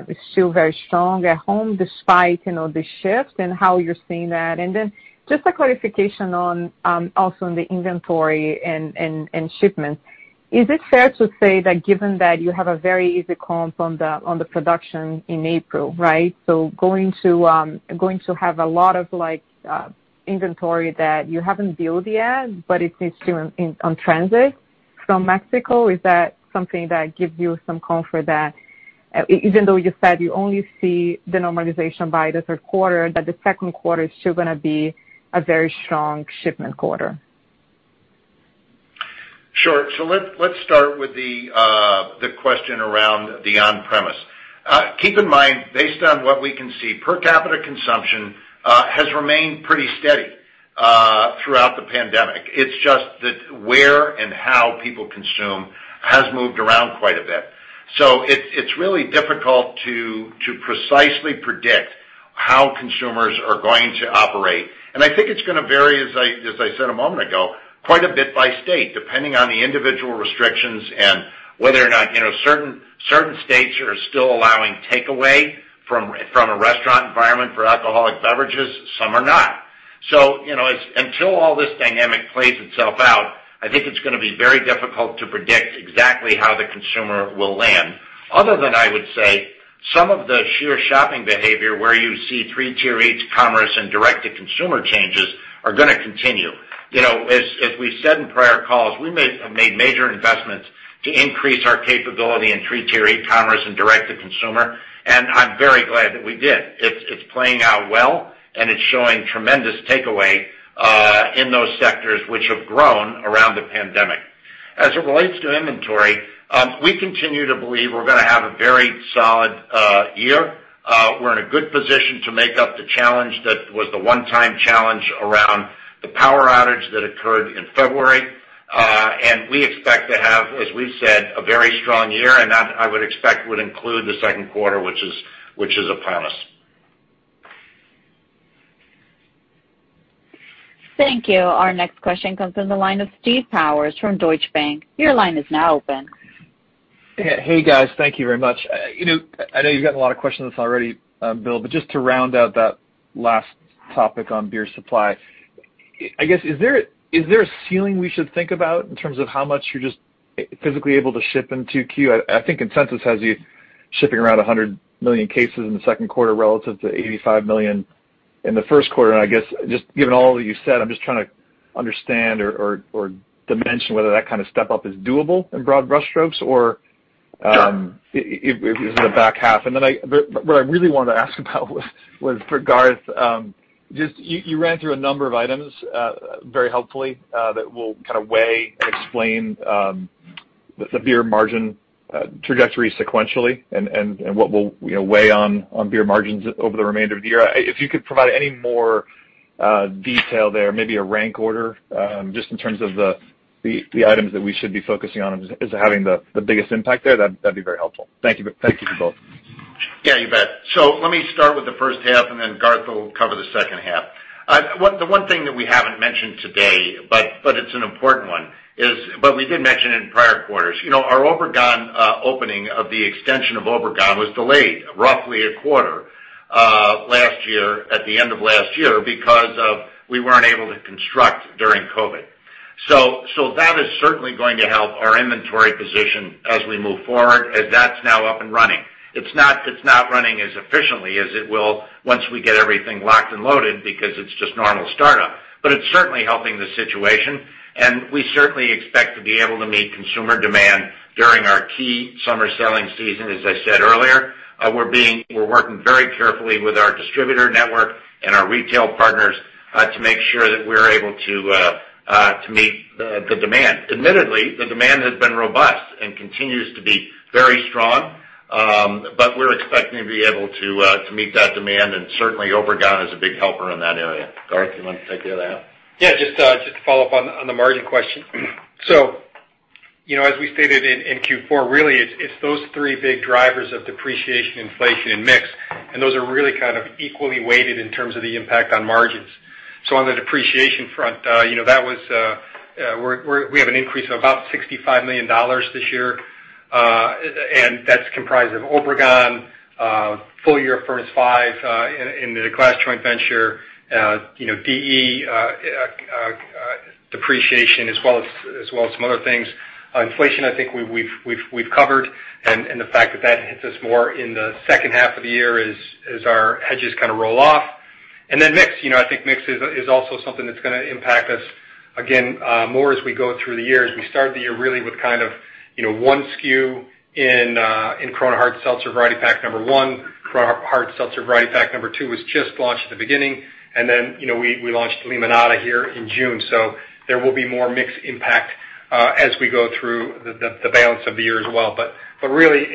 Speaker 14: is still very strong at home, despite the shifts and how you're seeing that. Just a clarification also on the inventory and shipments. Is it fair to say that given that you have a very easy comp on the production in April, right? Going to have a lot of inventory that you haven't built yet, but it's still in transit from Mexico. Is that something that gives you some comfort that, even though you said you only see the normalization by the third quarter, that the second quarter is still going to be a very strong shipment quarter?
Speaker 3: Sure. Let's start with the question around the on-premise. Keep in mind, based on what we can see, per capita consumption has remained pretty steady throughout the pandemic. It's just that where and how people consume has moved around quite a bit. It's really difficult to precisely predict how consumers are going to operate. I think it's going to vary, as I said a moment ago, quite a bit by state, depending on the individual restrictions and whether or not certain states are still allowing takeaway from a restaurant environment for alcoholic beverages, some are not. Until all this dynamic plays itself out, I think it's going to be very difficult to predict exactly how the consumer will land, other than I would say, some of the sheer shopping behavior where you see three tier e-commerce and direct-to-consumer changes are going to continue. As we said in prior calls, we made major investments to increase our capability in three tier e-commerce and direct to consumer, and I'm very glad that we did. It's playing out well, and it's showing tremendous takeaway, in those sectors which have grown around the pandemic. As it relates to inventory, we continue to believe we're going to have a very solid year. We're in a good position to make up the challenge that was the one-time challenge around the power outage that occurred in February. We expect to have, as we said, a very strong year, and I would expect would include the second quarter, which is a promise.
Speaker 1: Thank you. Our next question comes in the line of Steve Powers from Deutsche Bank.
Speaker 15: Hey, guys. Thank you very much. I know you've got a lot of questions already, Bill, but just to round out that last topic on beer supply, I guess, is there a ceiling we should think about in terms of how much you're just physically able to ship in 2Q? I think consensus has you shipping around 100 million cases in the second quarter relative to 85 million in the first quarter. I guess, just given all that you said, I'm just trying to understand or dimension whether that kind of step-up is doable in broad brush strokes. is it a back half? What I really wanted to ask about was for Garth, you ran through a number of items, very helpfully, that will kind of weigh and explain the beer margin trajectory sequentially and what will weigh on beer margins over the remainder of the year. If you could provide any more detail there, maybe a rank order, just in terms of the items that we should be focusing on as having the biggest impact there, that'd be very helpful. Thank you to you both.
Speaker 3: Yeah, you bet. Let me start with the first half, and then Garth will cover the second half. The one thing that we haven't mentioned today, but it's an important one, but we did mention in prior quarters. Our Obregon opening of the extension of Obregon was delayed roughly a quarter last year, at the end of last year, because we weren't able to construct during COVID. That is certainly going to help our inventory position as we move forward, as that's now up and running. It's not running as efficiently as it will once we get everything locked and loaded because it's just normal startup. It's certainly helping the situation, and we certainly expect to be able to meet consumer demand during our key summer selling season, as I said earlier. We're working very carefully with our distributor network and our retail partners to make sure that we're able to meet the demand. Admittedly, the demand has been robust and continues to be very strong. We're expecting to be able to meet that demand, and certainly Obregon is a big helper in that area. Garth, you want to take it away?
Speaker 4: Yeah, just to follow up on the margin question. As we stated in Q4, really, it's those three big drivers of depreciation, inflation, and mix, and those are really kind of equally weighted in terms of the impact on margins. On the depreciation front, we have an increase of about $65 million this year. That's comprised of Obregon, full year Furnace Five in the glass joint venture DE depreciation as well as some other things. Inflation, I think we've covered, and the fact that hits us more in the second half of the year as our hedges roll off. Mix, I think mix is also something that's going to impact us, again, more as we go through the year. As we start the year, really, with one SKU in Corona Hard Seltzer Variety Pack number one, Corona Hard Seltzer Variety Pack number two was just launched at the beginning, then we launched Limonada here in June. There will be more mix impact as we go through the balance of the year as well. Really,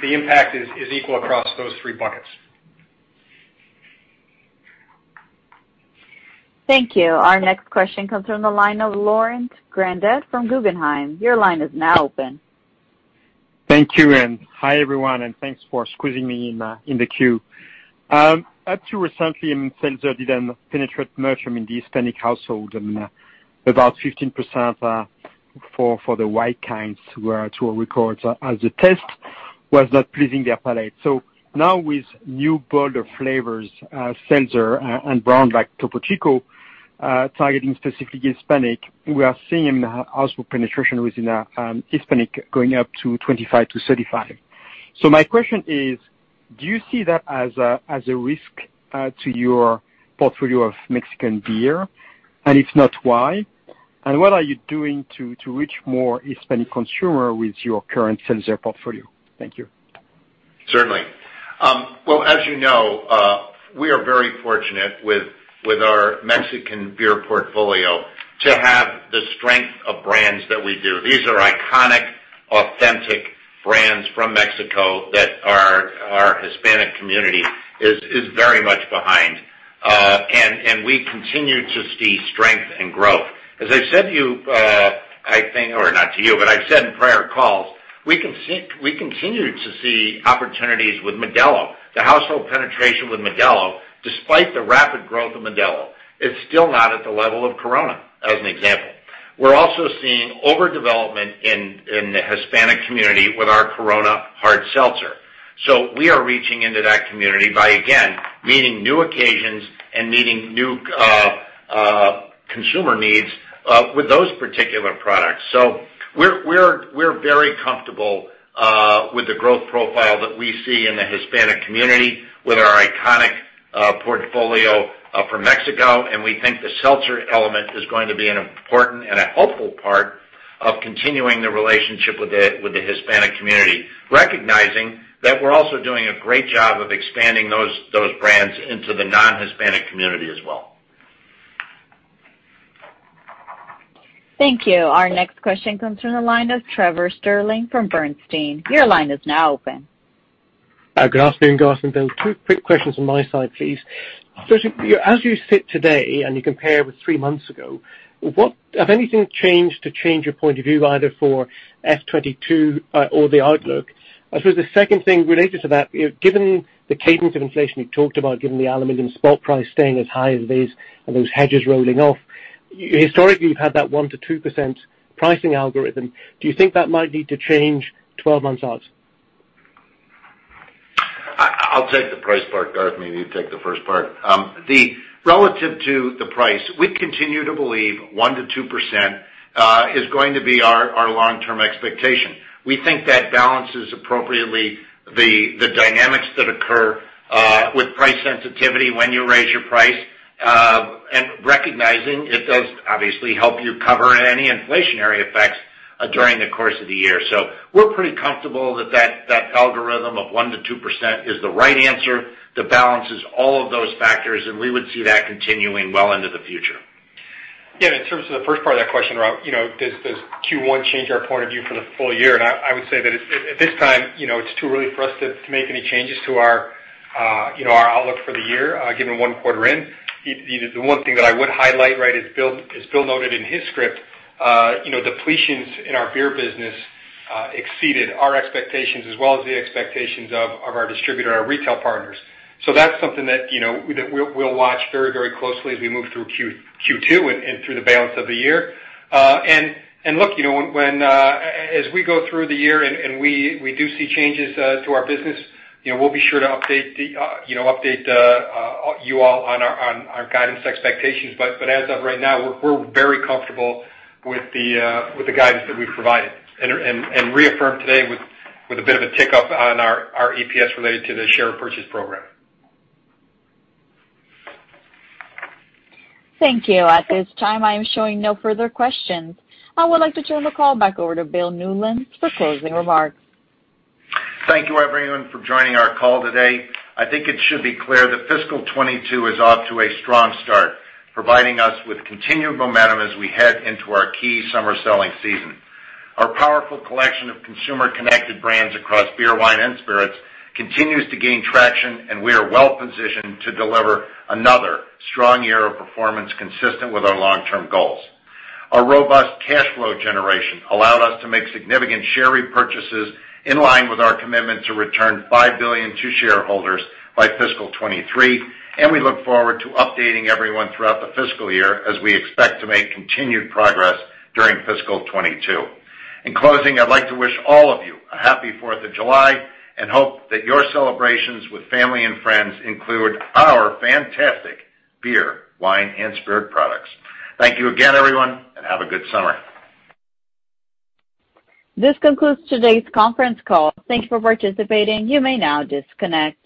Speaker 4: the impact is equal across those three buckets.
Speaker 1: Thank you. Our next question comes from the line of Laurent Grandet from Guggenheim. Your line is now open.
Speaker 16: Thank you, hi, everyone, and thanks for squeezing me in the queue. Up to recently, seltzer didn't penetrate much among the Hispanic household. About 15% for the white kinds, to our records as a test, was not pleasing their palate. Now with new bolder flavors, seltzer and brands like Topo Chico, targeting specifically Hispanic, we are seeing household penetration within Hispanic going up to 25%-35%. My question is, do you see that as a risk to your portfolio of Mexican beer? If not, why? What are you doing to reach more Hispanic consumer with your current seltzer portfolio? Thank you.
Speaker 3: Certainly. Well, as you know, we are very fortunate with our Mexican beer portfolio to have the strength of brands that we do. These are iconic, authentic brands from Mexico that our Hispanic community is very much behind. We continue to see strength and growth. As I said to you, I think, or not to you, but I've said in prior calls, we continue to see opportunities with Modelo. The household penetration with Modelo, despite the rapid growth of Modelo, it's still not at the level of Corona, as an example. We're also seeing over-development in the Hispanic community with our Corona Hard Seltzer. We are reaching into that community by, again, meeting new occasions and meeting new consumer needs with those particular products. We're very comfortable with the growth profile that we see in the Hispanic community with our iconic portfolio from Mexico. We think the seltzer element is going to be an important and a helpful part of continuing the relationship with the Hispanic community, recognizing that we're also doing a great job of expanding those brands into the non-Hispanic community as well.
Speaker 1: Thank you. Our next question comes from the line of Trevor Stirling from Bernstein. Your line is now open.
Speaker 17: Garth from Garth and Bill, two quick questions on my side, please. As you sit today and you compare with 3 months ago, have anything changed to change your point of view either for FY 2022 or the outlook? I suppose the second thing related to that, given the cadence of inflation you talked about, given the aluminum spot price staying as high as it is and those hedges rolling off, historically, you've had that 1%-2% pricing algorithm. Do you think that might need to change 12 months out?
Speaker 3: I'll take the price part, Garth. You take the first part. Relative to the price, we continue to believe 1%-2% is going to be our long-term expectation. We think that balances appropriately the dynamics that occur with price sensitivity when you raise your price, and recognizing it does obviously help you cover any inflationary effects during the course of the year. We're pretty comfortable that algorithm of 1%-2% is the right answer that balances all of those factors, and we would see that continuing well into the future.
Speaker 4: Yeah, in terms of the first part of that question about, does Q1 change our point of view for the full year? I would say that at this time, it's too early for us to make any changes to our outlook for the year, given one quarter in. The one thing that I would highlight, right, as Bill noted in his script, depletions in our beer business exceeded our expectations as well as the expectations of our distributor, our retail partners. That's something that we'll watch very closely as we move through Q2 and through the balance of the year. Look, as we go through the year and we do see changes to our business, we'll be sure to update you all on our guidance expectations. As of right now, we're very comfortable with the guidance that we provided and reaffirmed today with a bit of a tick up on our EPS related to the share purchase program.
Speaker 1: Thank you. At this time, I am showing no further questions. I would like to turn the call back over to Bill Newlands for closing remarks.
Speaker 3: Thank you, everyone, for joining our call today. I think it should be clear that fiscal 2022 is off to a strong start, providing us with continued momentum as we head into our key summer selling season. Our powerful collection of consumer-connected brands across beer, wine, and spirits continues to gain traction. We are well-positioned to deliver another strong year of performance consistent with our long-term goals. Our robust cash flow generation allowed us to make significant share repurchases in line with our commitment to return $5 billion to shareholders by fiscal 2023. We look forward to updating everyone throughout the fiscal year as we expect to make continued progress during fiscal 2022. In closing, I'd like to wish all of you a happy 4th of July and hope that your celebrations with family and friends include our fantastic beer, wine, and spirit products. Thank you again, everyone, and have a good summer.
Speaker 1: This concludes today's conference call. Thanks for participating. You may now disconnect.